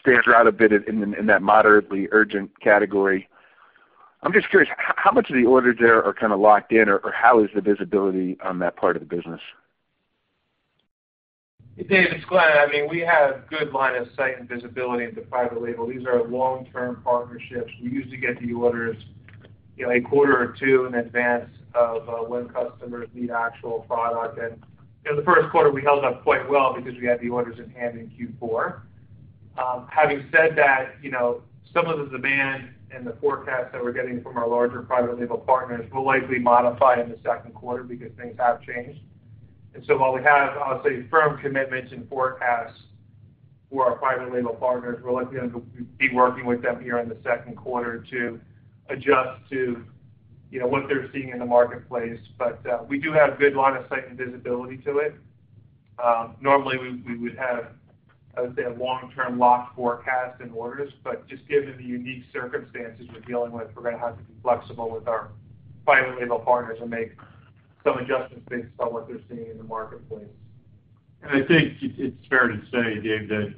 K: stands out a bit in that moderately urgent category. I'm just curious, how much of the orders there are kind of locked in, or how is the visibility on that part of the business?
E: Hey, Dave, it's Glenn. I mean, we have good line of sight and visibility into private label. These are long-term partnerships. We usually get the orders. A quarter or two in advance of when customers need actual product. In the Q1, we held up quite well because we had the orders in hand in Q4. Having said that, some of the demand and the forecasts that we're getting from our larger private label partners will likely modify in the Q2 because things have changed. While we have, I'll say, firm commitments and forecasts for our private label partners, we're looking to be working with them here in the Q2 to adjust to what they're seeing in the marketplace. But we do have good line of sight and visibility to it. Normally, we would have, I would say, a long-term locked forecast in orders, but just given the unique circumstances we're dealing with, we're going to have to be flexible with our private label partners and make some adjustments based on what they're seeing in the marketplace.
C: I think it's fair to say, Dave, that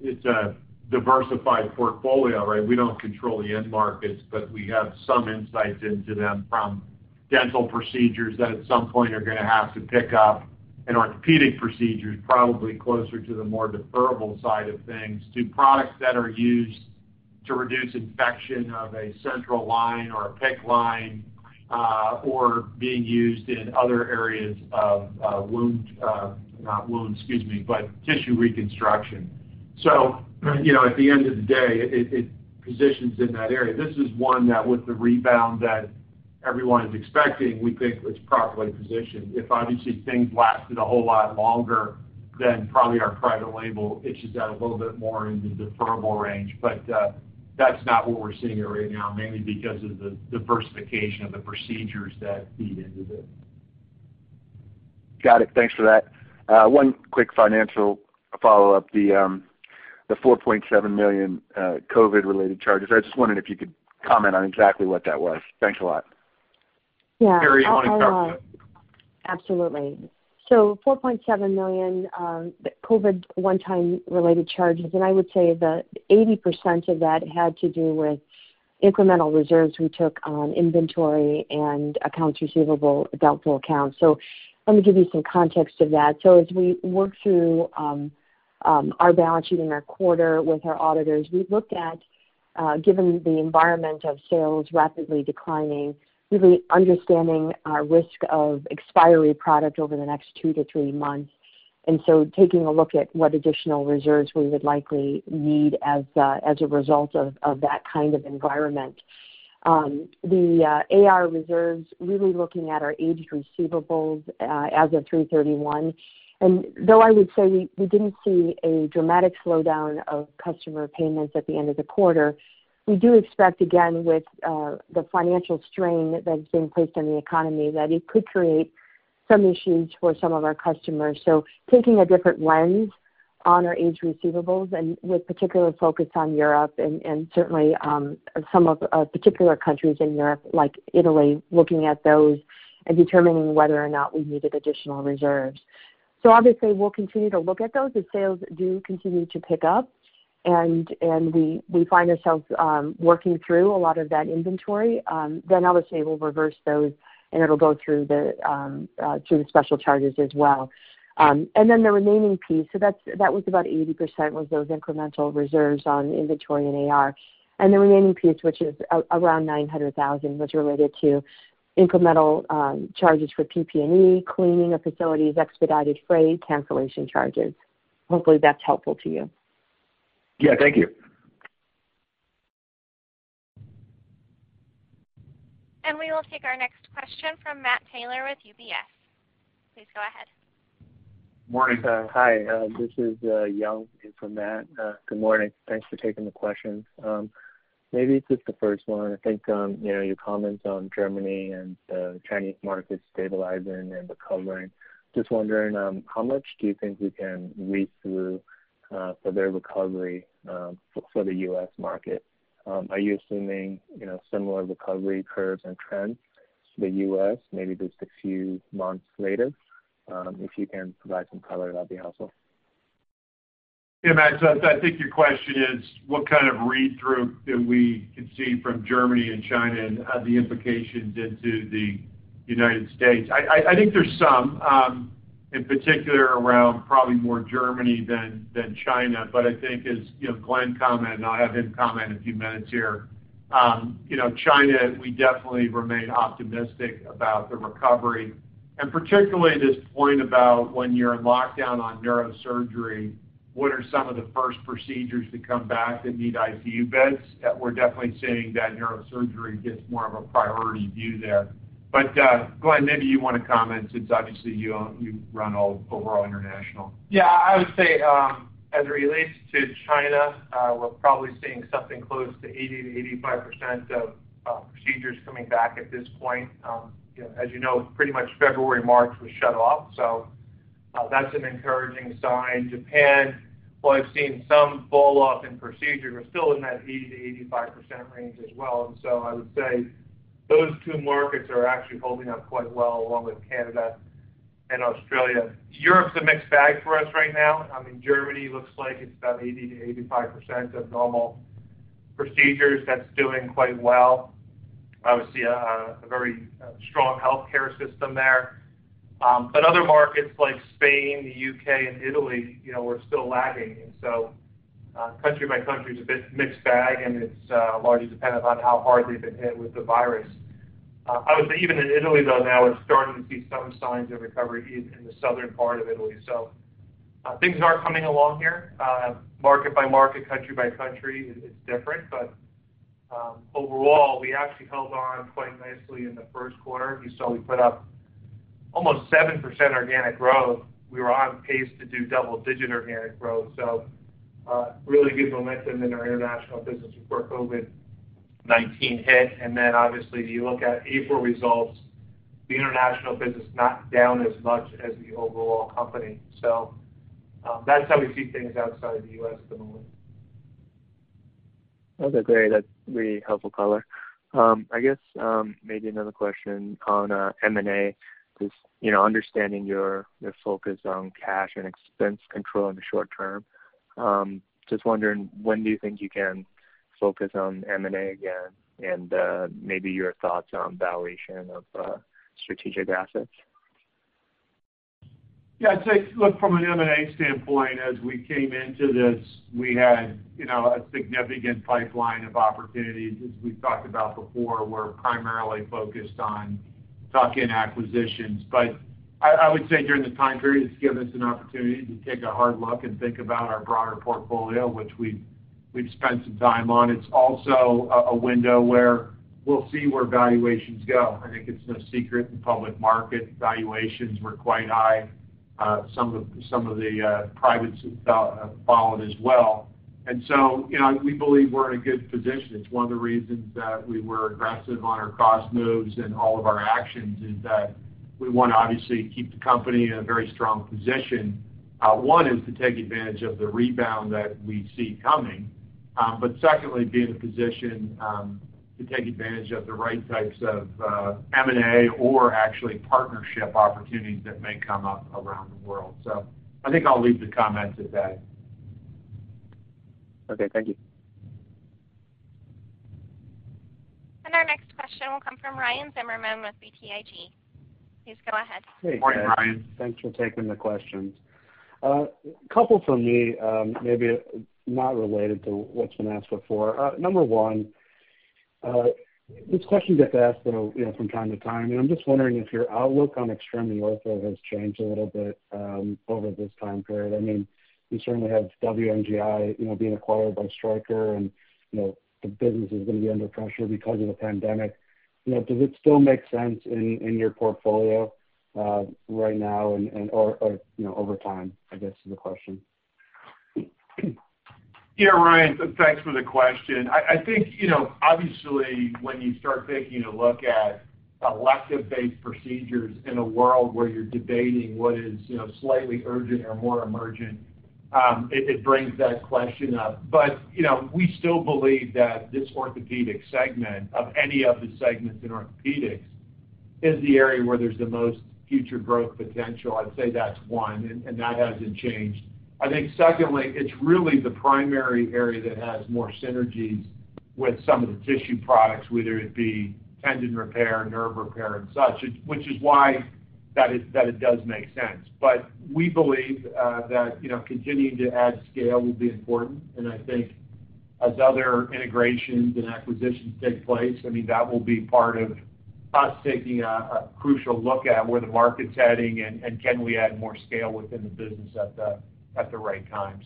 C: it's a diversified portfolio, right? We don't control the end markets, but we have some insights into them from dental procedures that at some point are going to have to pick up and orthopedic procedures probably closer to the more deferable side of things, to products that are used to reduce infection of a central line or a PICC line or being used in other areas of tissue reconstruction. At the end of the day, it positions in that area. This is one that with the rebound that everyone is expecting, we think it's properly positioned. If obviously things lasted a whole lot longer, then probably our private label itches out a little bit more into the deferrable range. That's not what we're seeing right now, mainly because of the diversification of the procedures that feed into this.
K: Got it. Thanks for that. One quick financial follow-up, the $4.7 million COVID-19-related charges, I just wondered if you could comment on exactly what that was. Thanks a lot.
C: Yeah. Carrie on it.
D: Absolutely. $4.7 million COVID one-time related charges, and I would say that 80% of that had to do with incremental reserves we took on inventory and accounts receivable, doubtful accounts. Let me give you some context of that. As we work through our balance sheet in our quarter with our auditors, we looked at, given the environment of sales rapidly declining, really understanding our risk of expiry product over the next two to three months. And so taking a look at what additional reserves we would likely need as a result of that kind of environment. The AR reserves, really looking at our aged receivables as of 3/31. Though I would say we didn't see a dramatic slowdown of customer payments at the end of the quarter, we do expect, again, with the financial strain that is being placed on the economy, that it could create some issues for some of our customers. Taking a different lens on our aged receivables and with particular focus on Europe and certainly some of particular countries in Europe like Italy, looking at those and determining whether or not we needed additional reserves. Obviously, we'll continue to look at those. If sales do continue to pick up and we find ourselves working through a lot of that inventory, then obviously, we'll reverse those, and it'll go through the special charges as well. And the remaining piece, so that was about 80% was those incremental reserves on inventory and AR. The remaining piece, which is around $900,000, was related to incremental charges for PP&E, cleaning of facilities, expedited freight, cancellation charges. Hopefully, that's helpful to you.
K: Yeah. Thank you.
A: We will take our next question from Matt Taylor with UBS. Please go ahead.
C: Morning.
L: Hi, this is Xuyang in for Matt. Good morning. Thanks for taking the question. Maybe just the first one, I think your comments on Germany and the Chinese markets stabilizing and recovering, just wondering, how much do you think we can read through for their recovery for the U.S. market? Are you assuming similar recovery curves and trends to the U.S., maybe just a few months later? If you can provide some color, that'd be helpful.
C: Matt, I think your question is what kind of read-through do we can see from Germany and China and the implications into the United States? I think there's some, in particular, around probably more Germany than China. I think as Glenn commented, and I'll have him comment in a few minutes here, China, we definitely remain optimistic about the recovery. Particularly this point about when you're in lockdown on neurosurgery, what are some of the first procedures to come back that need ICU beds? We're definitely seeing that neurosurgery gets more of a priority view there. Glenn, maybe you want to comment since obviously you run overall international.
E: I would say as it relates to China, we're probably seeing something close to 80% to 85% of procedures coming back at this point. As you know, pretty much February, March was shut off. That's an encouraging sign. Japan, while I've seen some fall off in procedure, we're still in that 80% to 85% range as well. I would say those two markets are actually holding up quite well along with Canada and Australia. Europe's a mixed bag for us right now. I mean, Germany looks like it's about 80% to 85% of normal procedures. That's doing quite well. Obviously, a very strong healthcare system there. Other markets like Spain, the U.K., and Italy, we're still lagging. Country by country, it's a mixed bag, and it's largely dependent on how hard they've been hit with the virus. Obviously, even in Italy, though, now it's starting to see some signs of recovery in the southern part of Italy. Things are coming along here. Market by market, country by country, it's different. Overall, we actually held on quite nicely in the Q1. You saw we put up almost 7% organic growth. We were on pace to do double-digit organic growth. Really good momentum in our international business before COVID-19 hit. Obviously, if you look at April results, the international business not down as much as the overall company. That's how we see things outside of the U.S. at the moment.
L: Okay, great. That's really helpful color. I guess, maybe another question on M&A, because understanding your focus on cash and expense control in the short term, just wondering when do you think you can focus on M&A again and maybe your thoughts on valuation of strategic assets?
C: I'd say, look, from an M&A standpoint, as we came into this, we had a significant pipeline of opportunities. As we've talked about before, we're primarily focused on tuck-in acquisitions. I would say during this time period, it's given us an opportunity to take a hard look and think about our broader portfolio, which we've spent some time on. It's also a window where we'll see where valuations go. I think it's no secret in public market valuations were quite high. Some of the privates have followed as well. And so we believe we're in a good position. It's one of the reasons that we were aggressive on our cost moves and all of our actions is that we want to obviously keep the company in a very strong position. One is to take advantage of the rebound that we see coming. Secondly, be in a position to take advantage of the right types of M&A or actually partnership opportunities that may come up around the world. I think I'll leave the comment at that.
L: Okay. Thank you.
A: Our next question will come from Ryan Zimmerman with BTIG. Please go ahead.
C: Morning, Ryan.
M: Thanks for taking the questions. A couple from me, maybe not related to what's been asked before. Number one, this question gets asked from time to time. I'm just wondering if your outlook on Extremity Ortho has changed a little bit over this time period. You certainly have WMGI being acquired by Stryker, and the business is going to be under pressure because of the pandemic. Does it still make sense in your portfolio right now or over time, I guess, is the question?
C: Yeah, Ryan, thanks for the question. I think, obviously, when you start taking a look at elective-based procedures in a world where you're debating what is slightly urgent or more emergent, it brings that question up. We still believe that this orthopedic segment of any of the segments in orthopedics is the area where there's the most future growth potential. I'd say that's one, and that hasn't changed. I think secondly, it's really the primary area that has more synergies with some of the tissue products, whether it be tendon repair, nerve repair, and such, which is why that it does make sense. But we believe that continuing to add scale will be important. I think as other integrations and acquisitions take place, that will be part of us taking a crucial look at where the market's heading and can we add more scale within the business at the right time.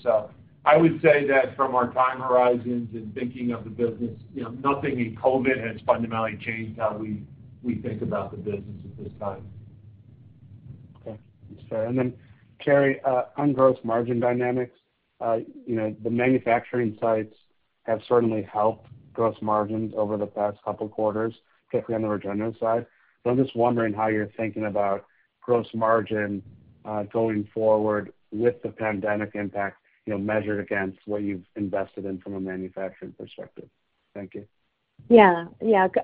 C: I would say that from our time horizons in thinking of the business, nothing in COVID has fundamentally changed how we think about the business at this time.
M: Okay. That's fair. Then Carrie, on gross margin dynamics, the manufacturing sites have certainly helped gross margins over the past couple quarters, particularly on the regenerative side. I'm just wondering how you're thinking about gross margin going forward with the pandemic impact measured against what you've invested in from a manufacturing perspective. Thank you.
D: Yeah.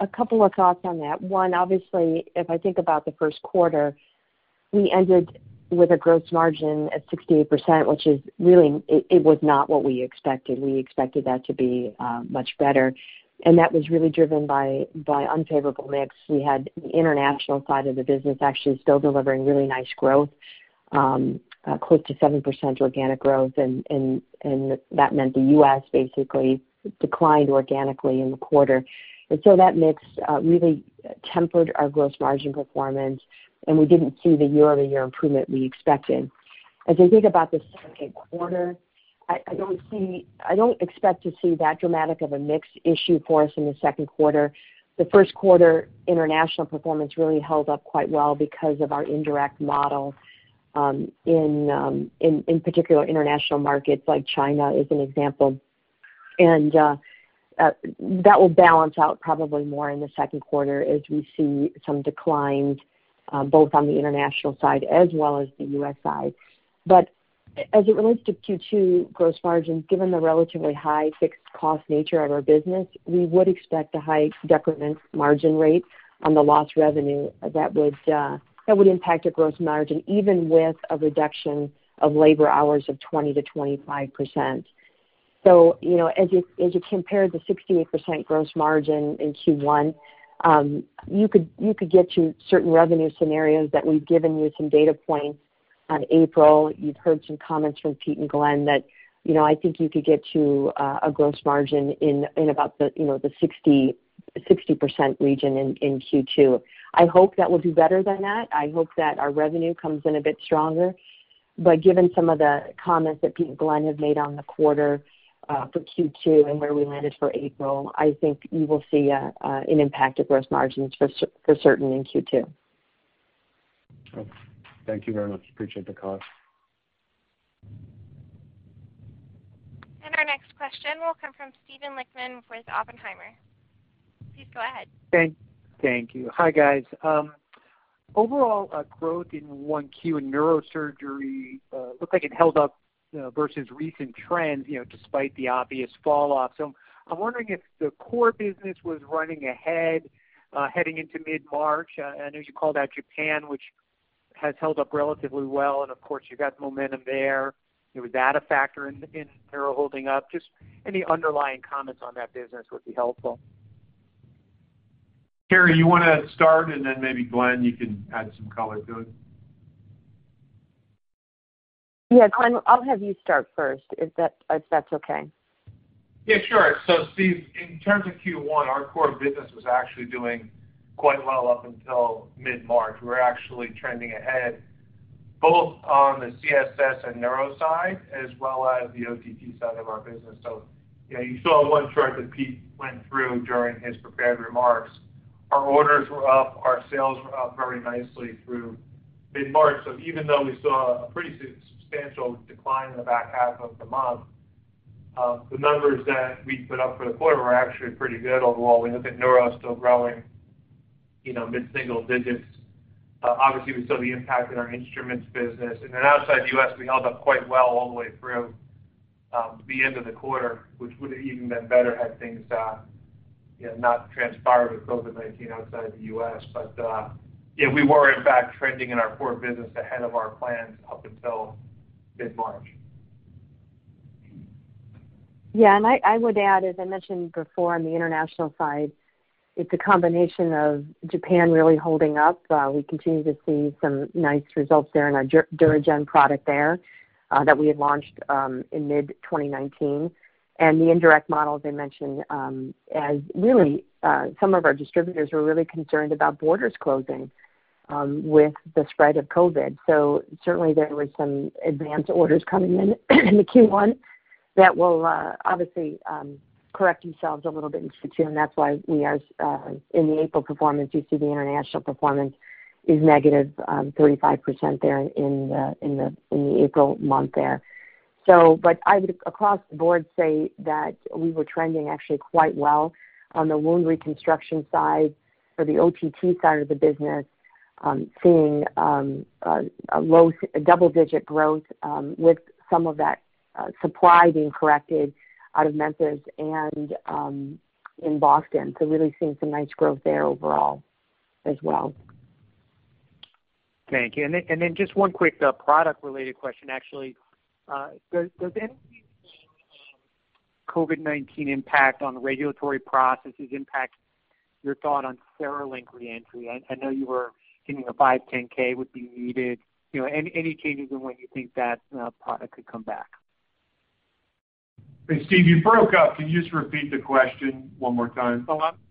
D: A couple of thoughts on that. One, obviously, if I think about the Q1, we ended with a gross margin at 68%, which is really, it was not what we expected. We expected that to be much better. That was really driven by unfavorable mix. We had the international side of the business actually still delivering really nice growth, close to 7% organic growth, and that meant the U.S. basically declined organically in the quarter. So that mix really tempered our gross margin performance, and we didn't see the year-over-year improvement we expected. As I think about the Q2, I don't expect to see that dramatic of a mix issue for us in the Q2. The Q1 international performance really held up quite well because of our indirect model, in particular international markets like China is an example. And that will balance out probably more in the Q2 as we see some declines both on the international side as well as the U.S. side. But as it relates to Q2 gross margins, given the relatively high fixed cost nature of our business, we would expect a high decrement margin rate on the lost revenue that would impact a gross margin, even with a reduction of labor hours of 20% to 25%. As you compare the 68% gross margin in Q1, you could get to certain revenue scenarios that we've given you some data points on April. You've heard some comments from Peter and Glenn that I think you could get to a gross margin in about the 60% region in Q2. I hope that we'll do better than that. I hope that our revenue comes in a bit stronger. Given some of the comments that Peter and Glenn have made on the quarter for Q2 and where we landed for April, I think you will see an impact to gross margins for certain in Q2.
M: Okay. Thank you very much. Appreciate the call.
A: Our next question will come from Steven Lichtman with Oppenheimer. Please go ahead.
N: Thank you. Hi, guys. Overall growth in 1Q in neurosurgery looks like it held up versus recent trends, despite the obvious falloff. I'm wondering if the core business was running ahead heading into mid-March. I know you called out Japan, which has held up relatively well, and of course, you got momentum there. Was that a factor in neuro holding up? Just any underlying comments on that business would be helpful.
C: Carrie, you want to start and then maybe Glenn, you can add some color to it?
D: Yeah, Glenn, I'll have you start first, if that's okay.
E: Steve, in terms of Q1, our core business was actually doing quite well up until mid-March. We were actually trending ahead both on the CSS and neuro side, as well as the OTT side of our business. Yeah, you saw one chart that Pete went through during his prepared remarks. Our orders were up, our sales were up very nicely through mid-March. Even though we saw a pretty substantial decline in the back half of the month, the numbers that we put up for the quarter were actually pretty good overall. We look at neuro still growing mid-single digits. Obviously, we saw the impact in our instruments business. Outside the U.S., we held up quite well all the way through the end of the quarter, which would've even been better had things not transpired with COVID-19 outside the U.S.
C: Yeah, we were in fact trending in our core business ahead of our plans up until mid-March.
D: Yeah, I would add, as I mentioned before on the international side, it's a combination of Japan really holding up. We continue to see some nice results there in our DuraGen product there that we had launched in mid-2019. The indirect model, as I mentioned, as really some of our distributors were really concerned about borders closing with the spread of COVID-19. Certainly, there was some advanced orders coming in in the Q1 that will obviously correct themselves a little bit in Q2, and that's why we are, in the April performance, you see the international performance is -35% there in the April month there. I would across the board say that we were trending actually quite well on the wound reconstruction side for the OTT side of the business, seeing a low double-digit growth with some of that supply being corrected out of Memphis and in Boston. Really seeing some nice growth there overall as well.
N: Thank you. Just one quick product-related question, actually. Does any COVID-19 impact on the regulatory processes impact your thought on CereLink reentry? I know you were thinking a 510K would be needed. Any changes in when you think that product could come back?
C: Hey, Steve, you broke up. Can you just repeat the question one more time?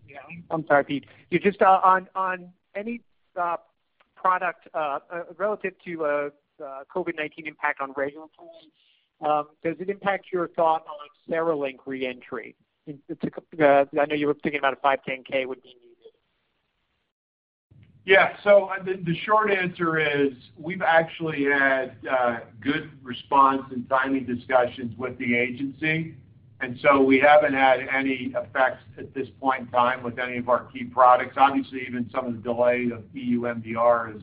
N: Yeah. I'm sorry, Peter. Yeah, just on any product relative to COVID-19 impact on regulatory, does it impact your thought on CereLink reentry? I know you were thinking about a 510K would be needed.
C: The short answer is we've actually had good response in timely discussions with the agency, and so we haven't had any effects at this point in time with any of our key products. Obviously, even some of the delay of EU MDR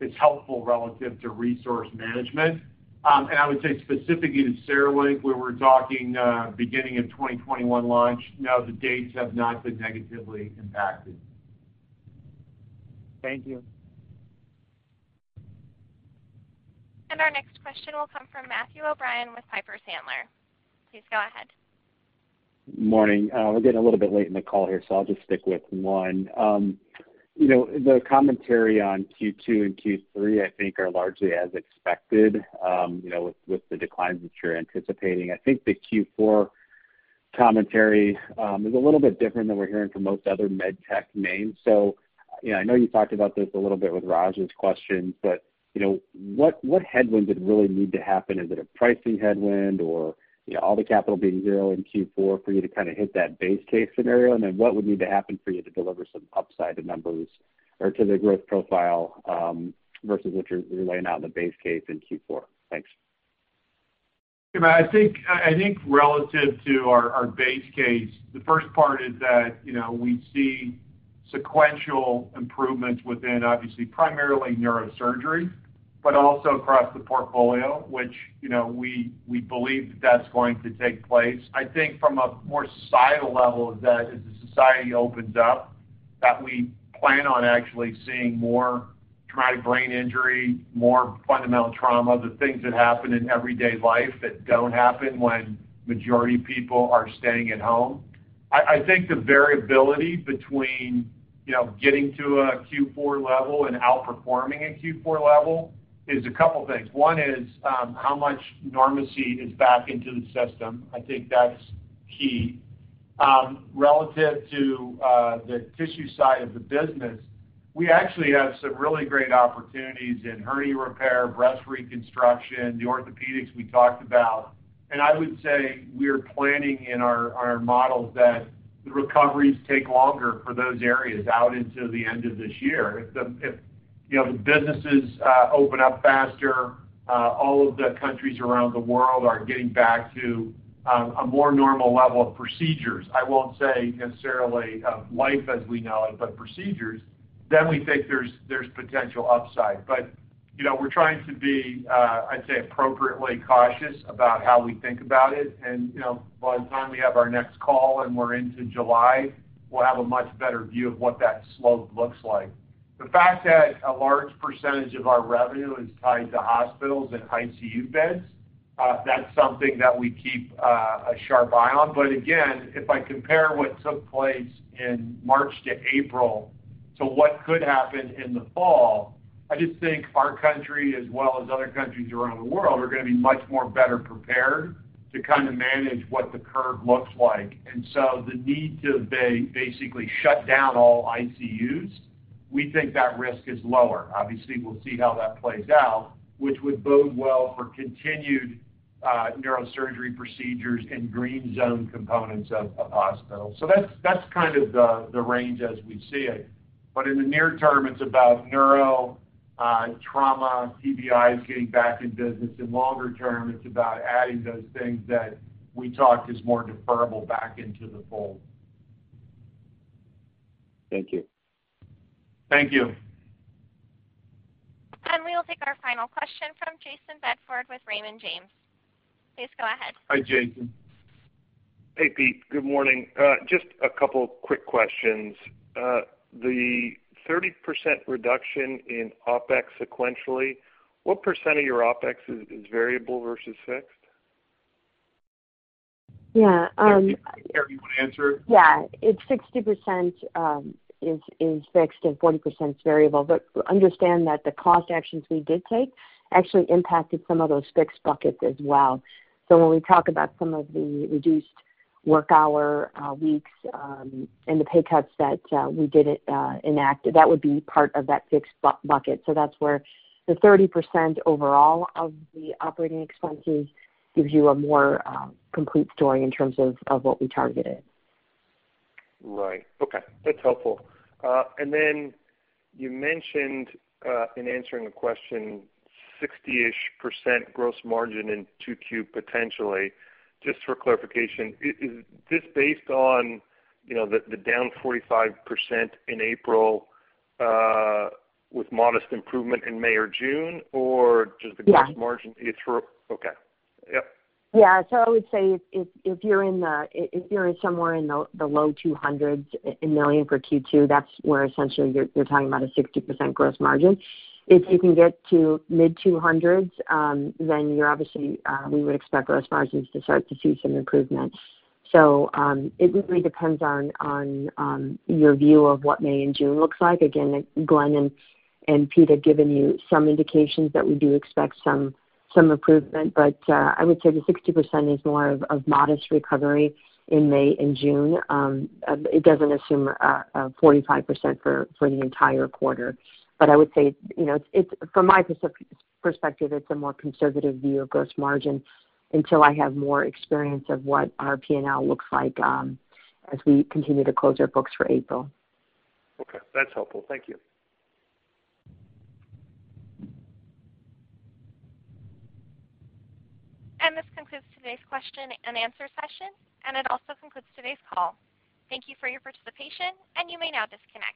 C: is helpful relative to resource management. I would say specifically to CereLink, where we're talking beginning of 2021 launch, no, the dates have not been negatively impacted.
N: Thank you.
A: Our next question will come from Matthew O'Brien with Piper Sandler. Please go ahead.
O: Morning. We're getting a little bit late in the call here, so I'll just stick with one. The commentary on Q2 and Q3 I think are largely as expected with the declines that you're anticipating. I think the Q4 commentary is a little bit different than we're hearing from most other med tech names. I know you talked about this a little bit with Raj's question, but what headwind would really need to happen? Is it a pricing headwind or all the capital being zero in Q4 for you to kind of hit that base case scenario? What would need to happen for you to deliver some upside to numbers or to the growth profile versus what you're laying out in the base case in Q4? Thanks.
C: Matt, I think relative to our base case, the first part is that we see sequential improvements within obviously primarily neurosurgery, but also across the portfolio, which we believe that that's going to take place. I think from a more societal level of that, as the society opens up that we plan on actually seeing more traumatic brain injury, more fundamental trauma, the things that happen in everyday life that don't happen when majority of people are staying at home. I think the variability between getting to a Q4 level and outperforming a Q4 level is a couple things. One is, how much normalcy is back into the system. I think that's key. Relative to the tissue side of the business, we actually have some really great opportunities in hernia repair, breast reconstruction, the orthopedics we talked about. I would say we're planning in our models that the recoveries take longer for those areas out into the end of this year. If the businesses open up faster, all of the countries around the world are getting back to a more normal level of procedures, I won't say necessarily of life as we know it, but procedures, then we think there's potential upside. We're trying to be, I'd say, appropriately cautious about how we think about it. By the time we have our next call and we're into July, we'll have a much better view of what that slope looks like. The fact that a large percentage of our revenue is tied to hospitals and ICU beds, that's something that we keep a sharp eye on. But again, if I compare what took place in March to April to what could happen in the fall, I just think our country, as well as other countries around the world, are going to be much more better prepared to manage what the curve looks like. The need to basically shut down all ICUs, we think that risk is lower. Obviously, we'll see how that plays out, which would bode well for continued neurosurgery procedures and green zone components of hospitals. That's kind of the range as we see it. In the near term, it's about neuro, trauma, TBIs getting back in business. In longer term, it's about adding those things that we talked is more deferrable back into the fold.
O: Thank you.
C: Thank you.
A: We will take our final question from Jayson Bedford with Raymond James. Please go ahead.
C: Hi, Jayson.
P: Hey, Peter. Good morning. Just a couple quick questions. The 30% reduction in OpEx sequentially, what percent of your OpEx is variable versus fixed?
D: Yeah-
C: Carrie, do you want to answer?
D: Yeah. It's 60% is fixed and 40%'s variable. Understand that the cost actions we did take actually impacted some of those fixed buckets as well. When we talk about some of the reduced work hour weeks and the pay cuts that we did enact, that would be part of that fixed bucket. That's where the 30% overall of the operating expenses gives you a more complete story in terms of what we targeted.
P: Right. Okay. That's helpful. And then you mentioned, in answering a question, 60-ish % gross margin in 2Q potentially. Just for clarification, is this based on the down 45% in April, with modest improvement in May or June?
D: Yeah
P: Okay. Yep.
D: I would say if you're in somewhere in the low $200 million for Q2, that's where essentially you're talking about a 60% gross margin. If you can get to mid $200 million, obviously, we would expect gross margins to start to see some improvement. It really depends on your view of what May and June looks like. Again, Glenn and Peter have given you some indications that we do expect some improvement, I would say the 60% is more of a modest recovery in May and June. It doesn't assume a 45% for the entire quarter. I would say, from my perspective, it's a more conservative view of gross margin until I have more experience of what our P&L looks like as we continue to close our books for April.
P: Okay. That's helpful. Thank you.
A: And this concludes today's question and answer session, and it also concludes today's call. Thank you for your participation, and you may now disconnect.